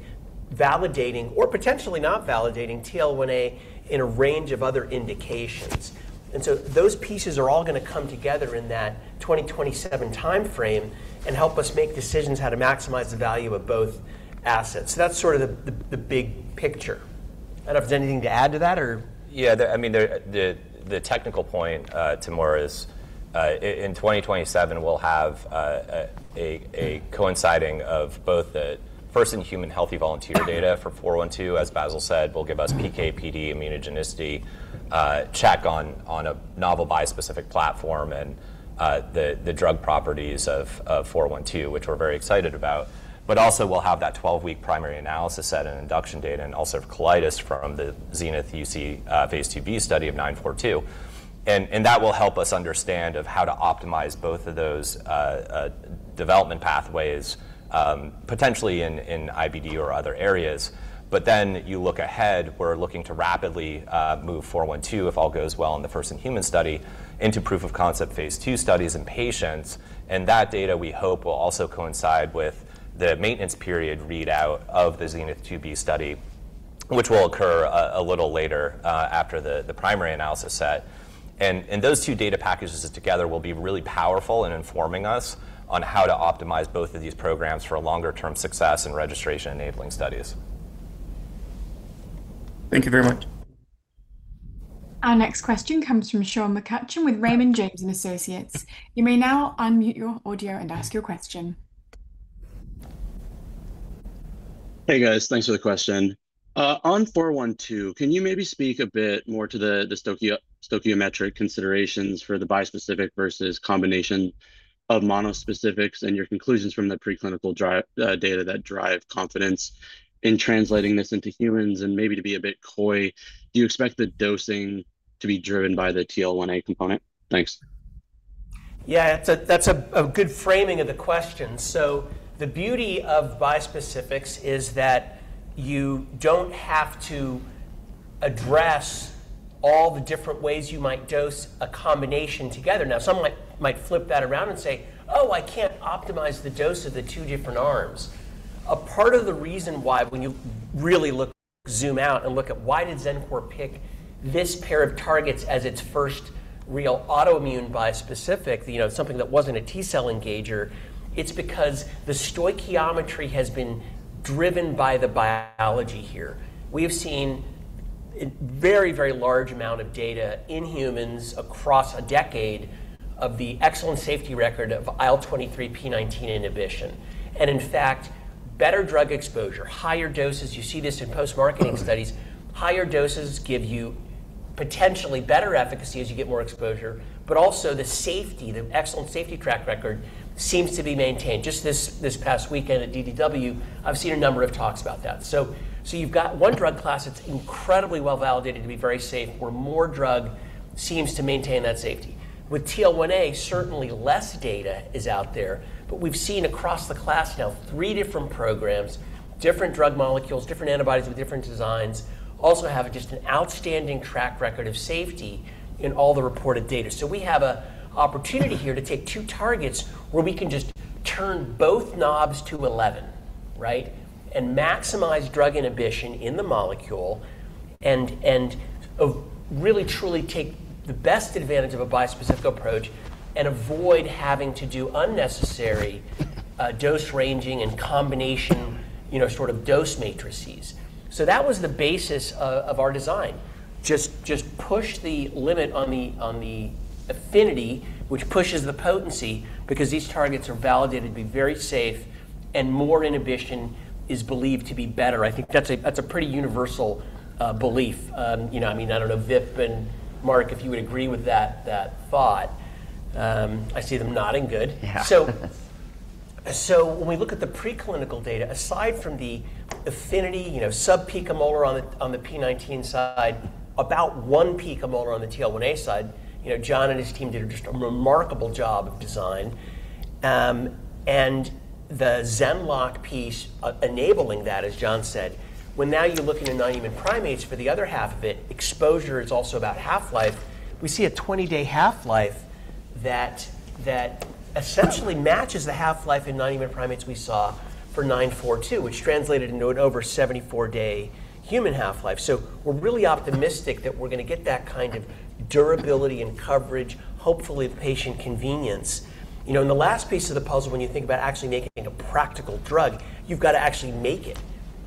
validating or potentially not validating TL1A in a range of other indications. Those pieces are all gonna come together in that 2027 timeframe and help us make decisions how to maximize the value of both assets. That's sort of the big picture. I don't know if there's anything to add to that? I mean, the technical point, Timur is in 2027 we'll have a coinciding of both the first in human healthy volunteer data for 412, as Bassil said, will give us PK/PD immunogenicity check on a novel bispecific platform and the drug properties of 412, which we're very excited about. Also we'll have that 12-week primary analysis set and induction data and ulcerative colitis from the XENITH-UC phase IIB study of 942. That will help us understand how to optimize both of those development pathways potentially in IBD or other areas. You look ahead, we're looking to rapidly move 412 if all goes well in the first human study into proof of concept Phase II studies in patients, and that data we hope will also coincide with the maintenance period readout of the XENITH-UC study, which will occur a little later after the primary analysis set. Those two data packages together will be really powerful in informing us on how to optimize both of these programs for a longer term success and registration enabling studies. Thank you very much. Our next question comes from Sean McCutcheon with Raymond James & Associates. You may now unmute your audio and ask your question. Hey, guys. Thanks for the question. On 412, can you maybe speak a bit more to the stoichiometric considerations for the bispecific versus combination of monospecifics and your conclusions from the preclinical data that drive confidence in translating this into humans? Maybe to be a bit coy, do you expect the dosing to be driven by the TL1A component? Thanks. Yeah. That's a good framing of the question. The beauty of bispecifics is that you don't have to address all the different ways you might dose a combination together. Now, some might flip that around and say, "Oh, I can't optimize the dose of the two different arms." A part of the reason why when you really look zoom out and look at why did Xencor pick this pair of targets as its first real autoimmune bispecific, you know, something that wasn't a T-cell engager, it's because the stoichiometry has been driven by the biology here. We have seen a very, very large amount of data in humans across a decade of the excellent safety record of IL-23p19 inhibition. In fact, better drug exposure, higher doses, you see this in post-marketing studies, higher doses give you potentially better efficacy as you get more exposure, but also the safety, the excellent safety track record seems to be maintained. Just this past weekend at DDW, I've seen a number of talks about that. You've got 1 drug class that's incredibly well-validated to be very safe where more drug seems to maintain that safety. With TL1A, certainly less data is out there. We've seen across the class now 3 different programs, different drug molecules, different antibodies with different designs also have just an outstanding track record of safety in all the reported data. We have an opportunity here to take 2 targets where we can just turn both knobs to 11, right? Maximize drug inhibition in the molecule and really truly take the best advantage of a bispecific approach and avoid having to do unnecessary dose ranging and combination, you know, sort of dose matrices. That was the basis of our design. Just push the limit on the affinity, which pushes the potency because these targets are validated to be very safe and more inhibition is believed to be better. I think that's a pretty universal belief. You know, I mean, I don't know, Vip and Mark, if you would agree with that thought. I see them nodding. Good. Yeah. When we look at the preclinical data, aside from the affinity, you know, sub-picomolar on the P19 side, about 1 picomolar on the TL1A side, you know, John and his team did just a remarkable job of design. The XenLock piece enabling that, as John said, when now you look into non-human primates for the other half of it, exposure is also about half-life. We see a 20-day half-life that essentially matches the half-life in non-human primates we saw for 942, which translated into an over 74-day human half-life. We're really optimistic that we're gonna get that kind of durability and coverage, hopefully the patient convenience. You know, the last piece of the puzzle when you think about actually making a practical drug, you've gotta actually make it.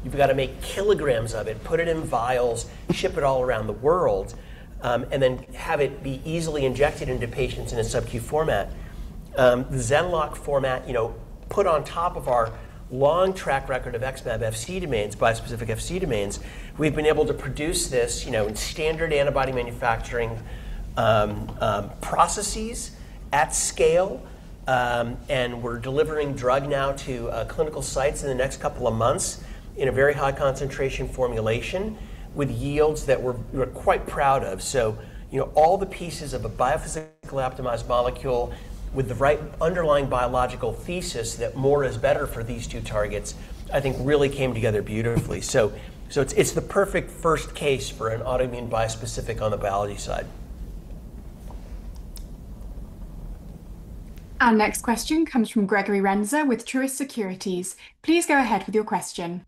You've gotta make kilograms of it, put it in vials, ship it all around the world, and then have it be easily injected into patients in a sub-Q format. The XenLock format, you know, put on top of our long track record of X. Fc domains, bispecific Fc domains, we've been able to produce this, you know, in standard antibody manufacturing processes at scale. And we're delivering drug now to clinical sites in the next couple of months in a very high concentration formulation with yields that we're quite proud of. You know, all the pieces of a biophysical optimized molecule with the right underlying biological thesis that more is better for these 2 targets, I think really came together beautifully. It's the perfect first case for an autoimmune bispecific on the biology side. Our next question comes from Gregory Renza with Truist Securities. Please go ahead with your question.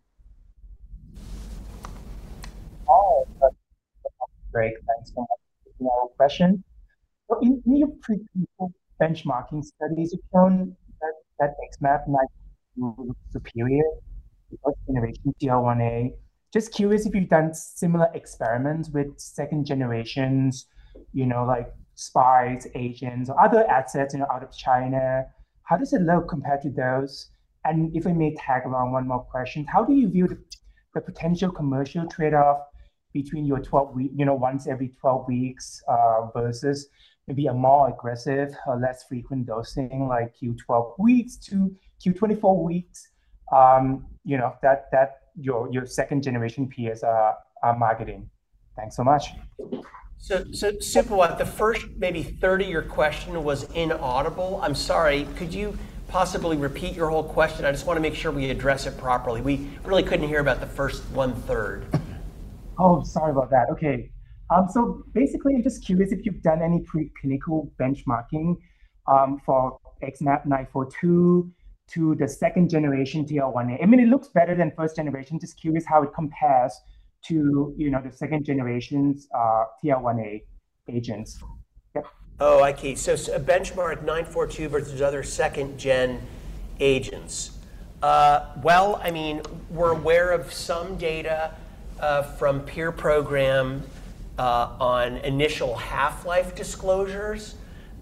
Great. Thanks for taking my question. In your preclinical benchmarking studies, you've shown that XmAb might be superior to first-generation TL1A. Just curious if you've done similar experiments with second generations, you know, like SpIs, Asians, or other assets, you know, out of China. How does it look compared to those? If I may tag along one more question, how do you view the potential commercial trade-off between your 12-week, you know, once every 12 weeks, versus maybe a more aggressive or less frequent dosing like Q12-week to Q24-week? You know, that your second-generation PS marketing. Thanks so much. Sipawat, the first maybe third of your question was inaudible. I'm sorry. Could you possibly repeat your whole question? I just wanna make sure we address it properly. We really couldn't hear about the first one third. Sorry about that. Okay. Basically I'm just curious if you've done any preclinical benchmarking for XmAb942 to the second generation TL1A. I mean, it looks better than first generation, just curious how it compares to, you know, the second generations TL1A agents. Yep. I see. A benchmark XmAb942 versus other second-gen agents. Well, I mean, we're aware of some data from peer program on initial half-life disclosures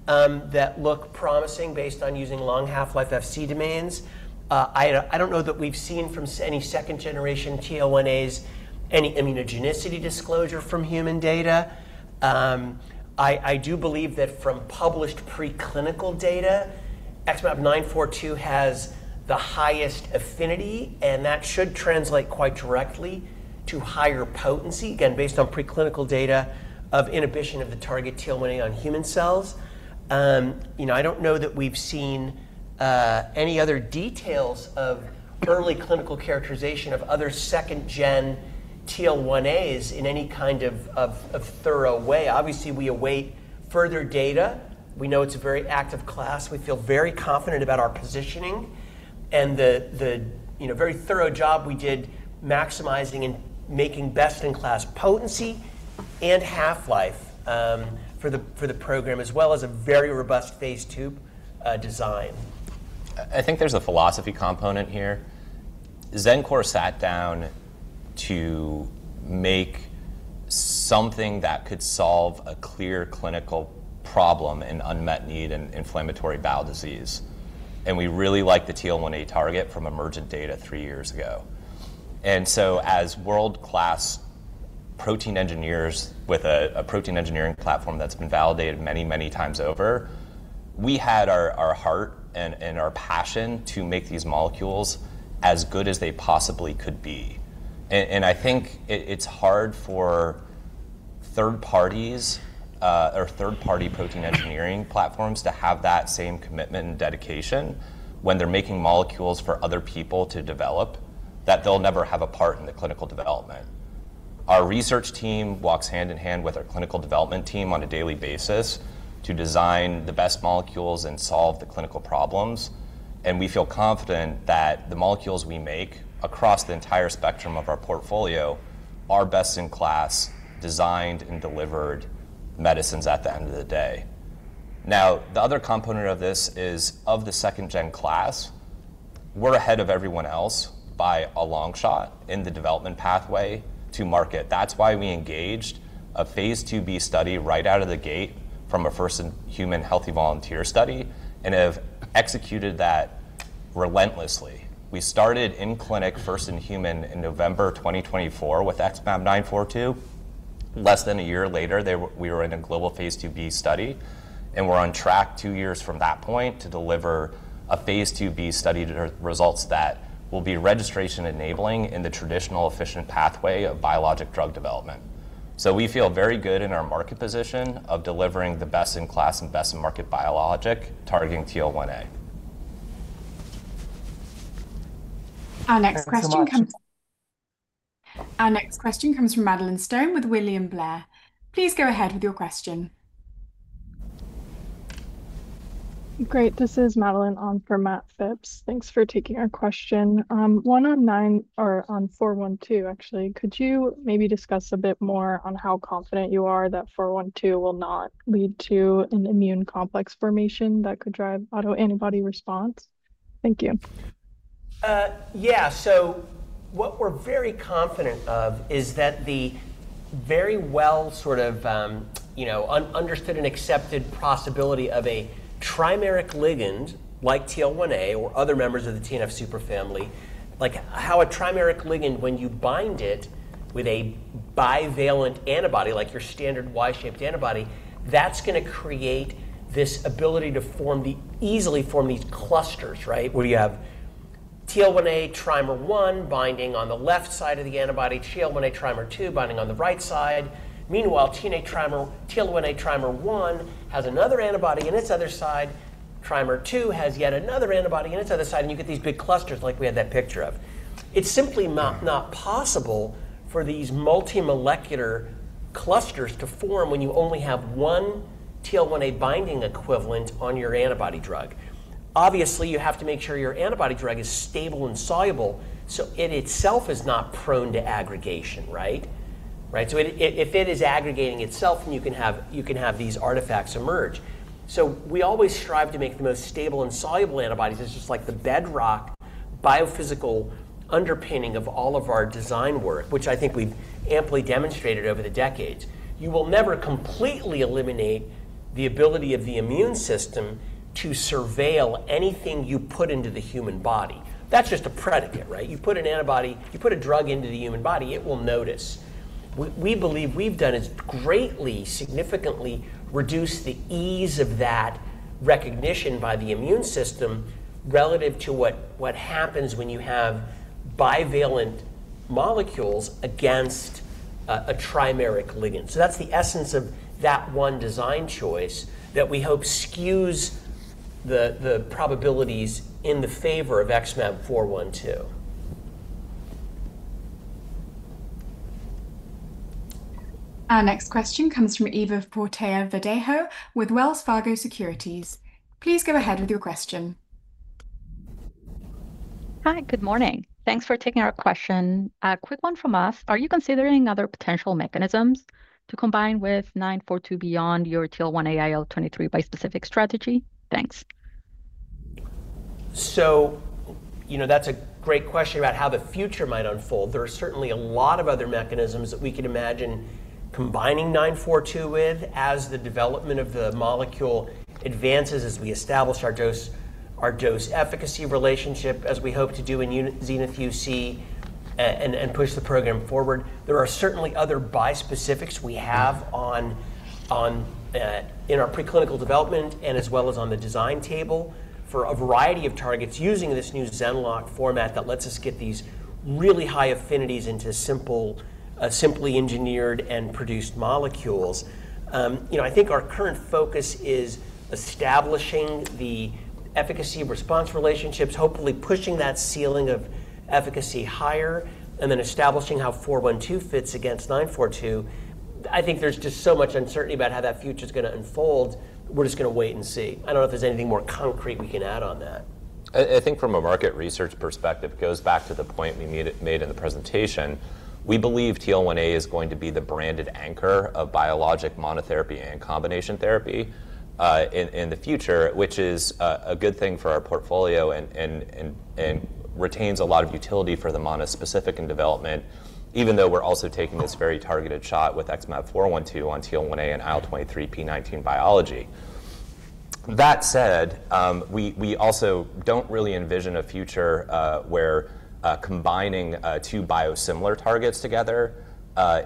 that look promising based on using long half-life Fc domains. I don't know that we've seen from any second generation TL1As any immunogenicity disclosure from human data. I do believe that from published preclinical data, XmAb942 has the highest affinity, and that should translate quite directly to higher potency, again, based on preclinical data of inhibition of the target TL1A on human cells. You know, I don't know that we've seen any other details of early clinical characterization of other second-gen TL1As in any kind of thorough way. Obviously, we await further data. We know it's a very active class. We feel very confident about our positioning and the, you know, very thorough job we did maximizing and making best in class potency and half-life for the program, as well as a very robust phase II design. I think there's a philosophy component here. Xencor sat down to make something that could solve a clear clinical problem and unmet need in inflammatory bowel disease. We really like the TL1A target from emergent data three years ago. As world-class protein engineers with a protein engineering platform that's been validated many times over, we had our heart and our passion to make these molecules as good as they possibly could be. I think it's hard for third-parties or third-party protein engineering platforms to have that same commitment and dedication when they're making molecules for other people to develop that they'll never have a part in the clinical development. Our research team walks hand in hand with our clinical development team on a daily basis to design the best molecules and solve the clinical problems. We feel confident that the molecules we make across the entire spectrum of our portfolio are best-in-class designed and delivered medicines at the end of the day. The other component of this is of the second-gen class, we're ahead of everyone else by a long shot in the development pathway to market. That's why we engaged a phase IIb study right out of the gate from a first-in-human healthy volunteer study and have executed that relentlessly. We started in clinic first-in-human in November 2024 with XmAb942. Less than a year later, we were in a global phase IIb study. We're on track 2 years from that point to deliver a phase IIb study results that will be registration enabling in the traditional efficient pathway of biologic drug development. We feel very good in our market position of delivering the best in class and best in market biologic targeting TL1A. Thank you so much. Our next question comes from Madeline Stone with William Blair. Please go ahead with your question. Great. This is Madeline on for Matthew Phipps. Thanks for taking our question. One on XmAb942 or on XmAb412, actually, could you maybe discuss a bit more on how confident you are that XmAb412 will not lead to an immune complex formation that could drive autoantibody response? Thank you. Yeah. What we're very confident of is that the very well sort of, you know, understood and accepted possibility of a trimeric ligand like TL1A or other members of the TNF superfamily, like how a trimeric ligand when you bind it with a bivalent antibody like your standard Y-shaped antibody, that's gonna create this ability to easily form these clusters, right? Where you have TL1A trimer one binding on the left side of the antibody, TL1A trimer two binding on the right side. Meanwhile, TL1A trimer one has another antibody in its other side. Trimer two has yet another antibody in its other side, and you get these big clusters like we had that picture of. It's simply not possible for these multimolecular clusters to form when you only have one TL1A binding equivalent on your antibody drug. Obviously, you have to make sure your antibody drug is stable and soluble, in itself is not prone to aggregation, right? If it is aggregating itself, then you can have these artifacts emerge. We always strive to make the most stable and soluble antibodies. It's just like the bedrock biophysical underpinning of all of our design work, which I think we've amply demonstrated over the decades. You will never completely eliminate the ability of the immune system to surveil anything you put into the human body. That's just a predicate, right? You put a drug into the human body, it will notice. We believe we've done is greatly, significantly reduced the ease of that recognition by the immune system relative to what happens when you have bivalent molecules against a trimeric ligand. That's the essence of that one design choice that we hope skews the probabilities in the favor of X. Our next question comes from Eva Fortea-Verdejo with Wells Fargo Securities. Please go ahead with your question. Hi, good morning. Thanks for taking our question. A quick one from us. Are you considering other potential mechanisms to combine with 942 beyond your TL1A IL-23 bispecific strategy? Thanks. You know, that's a great question about how the future might unfold. There are certainly a lot of other mechanisms that we can imagine combining XmAb942 with as the development of the molecule advances, as we establish our dose, our dose efficacy relationship as we hope to do in XENITH-UC and push the program forward. There are certainly other bispecifics we have in our preclinical development and as well as on the design table for a variety of targets using this new XenLock format that lets us get these really high affinities into simple, simply engineered and produced molecules. You know, I think our current focus is establishing the efficacy response relationships, hopefully pushing that ceiling of efficacy higher, and then establishing how XmAb412 fits against XmAb942. I think there's just so much uncertainty about how that future's gonna unfold, we're just gonna wait and see. I don't know if there's anything more concrete we can add on that. I think from a market research perspective, it goes back to the point we made in the presentation. combining two biosimilar targets together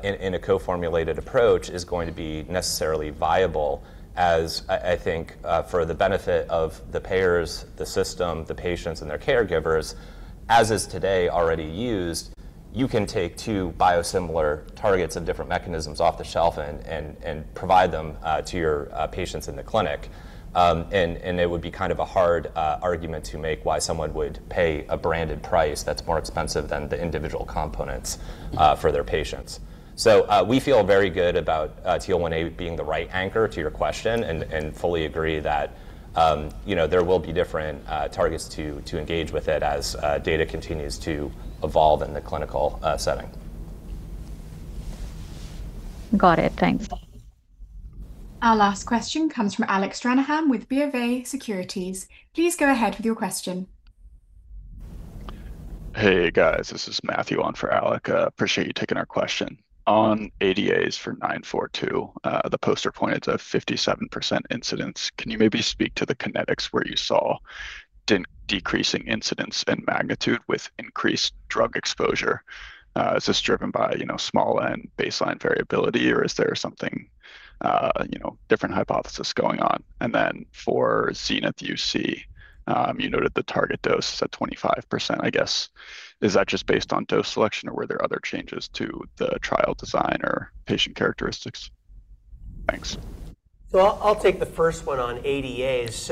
in a co-formulated approach is going to be necessarily viable as I think for the benefit of the payers, the system, the patients and their caregivers, as is today already used, you can take two biosimilar targets of different mechanisms off the shelf and provide them to your patients in the clinic. It would be kind of a hard argument to make why someone would pay a branded price that's more expensive than the individual components for their patients. We feel very good about TL1A being the right anchor to your question and fully agree that, you know, there will be different targets to engage with it as data continues to evolve in the clinical setting. Got it. Thanks. Our last question comes from Alec Stranahan with BofA Securities. Please go ahead with your question. Hey, guys. This is Matthew on for Alec. Appreciate you taking our question. On ADAs for XmAb942, the poster pointed to a 57% incidence. Can you maybe speak to the kinetics where you saw decreasing incidence and magnitude with increased drug exposure? Is this driven by, you know, small n baseline variability, or is there something, you know, different hypothesis going on? For XENITH-UC, you noted the target dose is at 25%, I guess. Is that just based on dose selection, or were there other changes to the trial design or patient characteristics? Thanks. I'll take the first one on ADAs.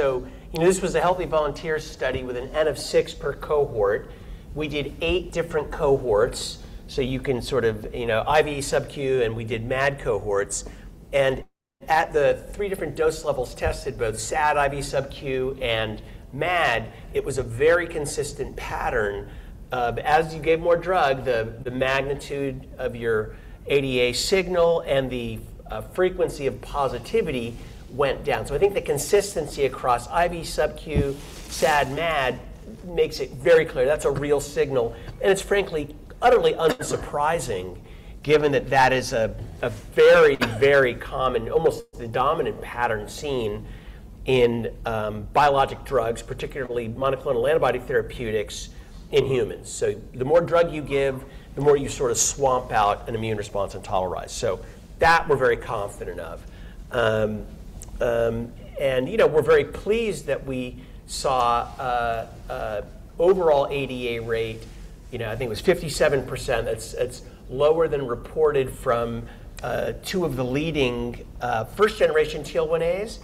You know, this was a healthy volunteer study with an N of 6 per cohort. We did 8 different cohorts, so you can sort of, you know, IV, sub-Q, and we did MAD cohorts. At the 3 different dose levels tested, both SAD, IV, sub-Q, and MAD, it was a very consistent pattern of as you gave more drug, the magnitude of your ADA signal and the frequency of positivity went down. I think the consistency across IV, sub-Q, SAD, MAD makes it very clear that's a real signal, and it's frankly utterly unsurprising given that that is a very common, almost the dominant pattern seen in biologic drugs, particularly monoclonal antibody therapeutics in humans. The more drug you give, the more you sort of swamp out an immune response and tolerize. That we're very confident of. You know, we're very pleased that we saw a overall ADA rate, you know, I think it was 57%. That's lower than reported from two of the leading first generation TL1As,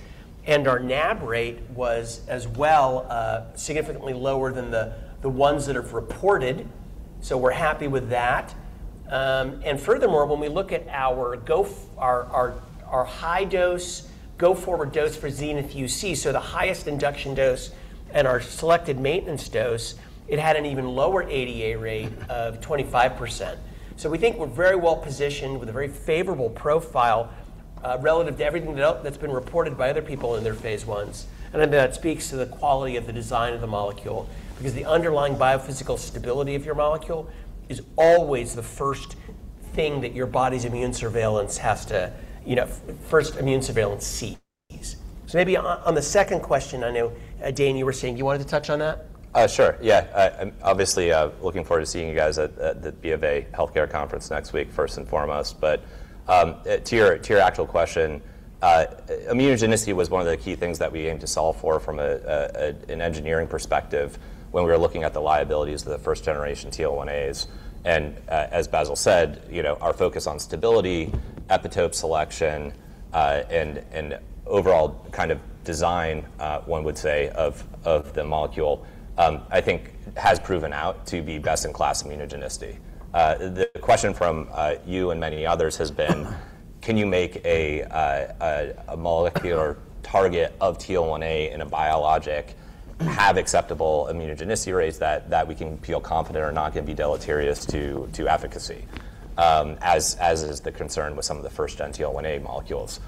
our NAB rate was as well significantly lower than the ones that have reported, so we're happy with that. Furthermore, when we look at our high dose, go-forward dose for XENITH-UC, so the highest induction dose and our selected maintenance dose, it had an even lower ADA rate of 25%. We think we're very well positioned with a very favorable profile relative to everything that's been reported by other people in their phase I. That speaks to the quality of the design of the molecule, because the underlying biophysical stability of your molecule is always the first thing that your body's immune surveillance has to, you know, first immune surveillance sees. So maybe on the second question, I know, Dane Leone, you were saying you wanted to touch on that? Sure, yeah. I'm obviously looking forward to seeing you guys at the BofA Securities Healthcare Conference next week, first and foremost. To your actual question, immunogenicity was one of the key things that we aimed to solve for from an engineering perspective when we were looking at the liabilities of the first generation TL1As. As Bassil said, you know, our focus on stability, epitope selection, and overall kind of design one would say of the molecule, I think has proven out to be best-in-class immunogenicity. The question from you and many others has been, can you make a molecular target of TL1A in a biologic have acceptable immunogenicity rates that we can feel confident are not gonna be deleterious to efficacy, as is the concern with some of the first gen TL1A molecules.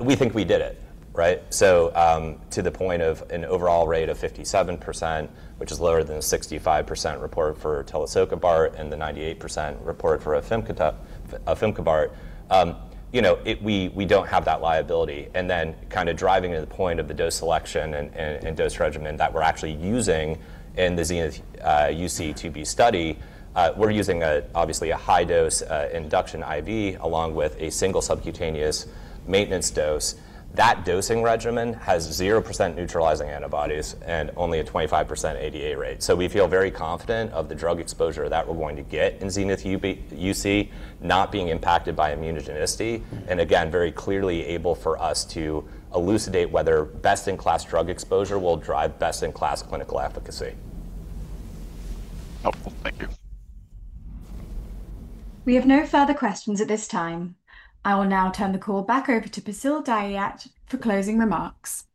We think we did it, right? To the point of an overall rate of 57%, which is lower than the 65% reported for tulisokibart and the 98% reported for afimkibart, you know, it we don't have that liability. Kinda driving to the point of the dose selection and dose regimen that we're actually using in the XENITH-UC Phase IIb study, we're using a obviously a high dose induction IV along with a single subcutaneous maintenance dose. That dosing regimen has 0% neutralizing antibodies and only a 25% ADA rate. We feel very confident of the drug exposure that we're going to get in XENITH-UC not being impacted by immunogenicity, and again, very clearly able for us to elucidate whether best-in-class drug exposure will drive best-in-class clinical efficacy. Helpful. Thank you. We have no further questions at this time. I will now turn the call back over to Bassil Dahiyat for closing remarks.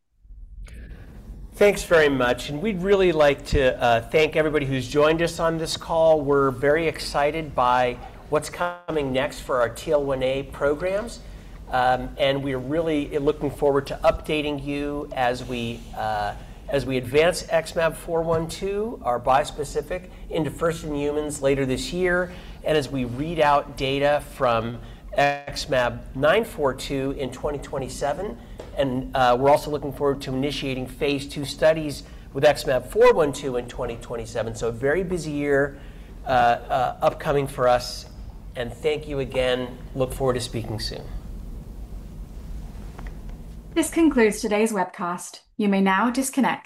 Thanks very much. We'd really like to thank everybody who's joined us on this call. We're very excited by what's coming next for our TL1A programs. We're really looking forward to updating you as we advance XmAb412, our bispecific, into first in humans later this year, as we read out data from XmAb942 in 2027. We're also looking forward to initiating phase II studies with XmAb412 in 2027. A very busy year upcoming for us. Thank you again. Look forward to speaking soon. This concludes today's webcast. You may now disconnect.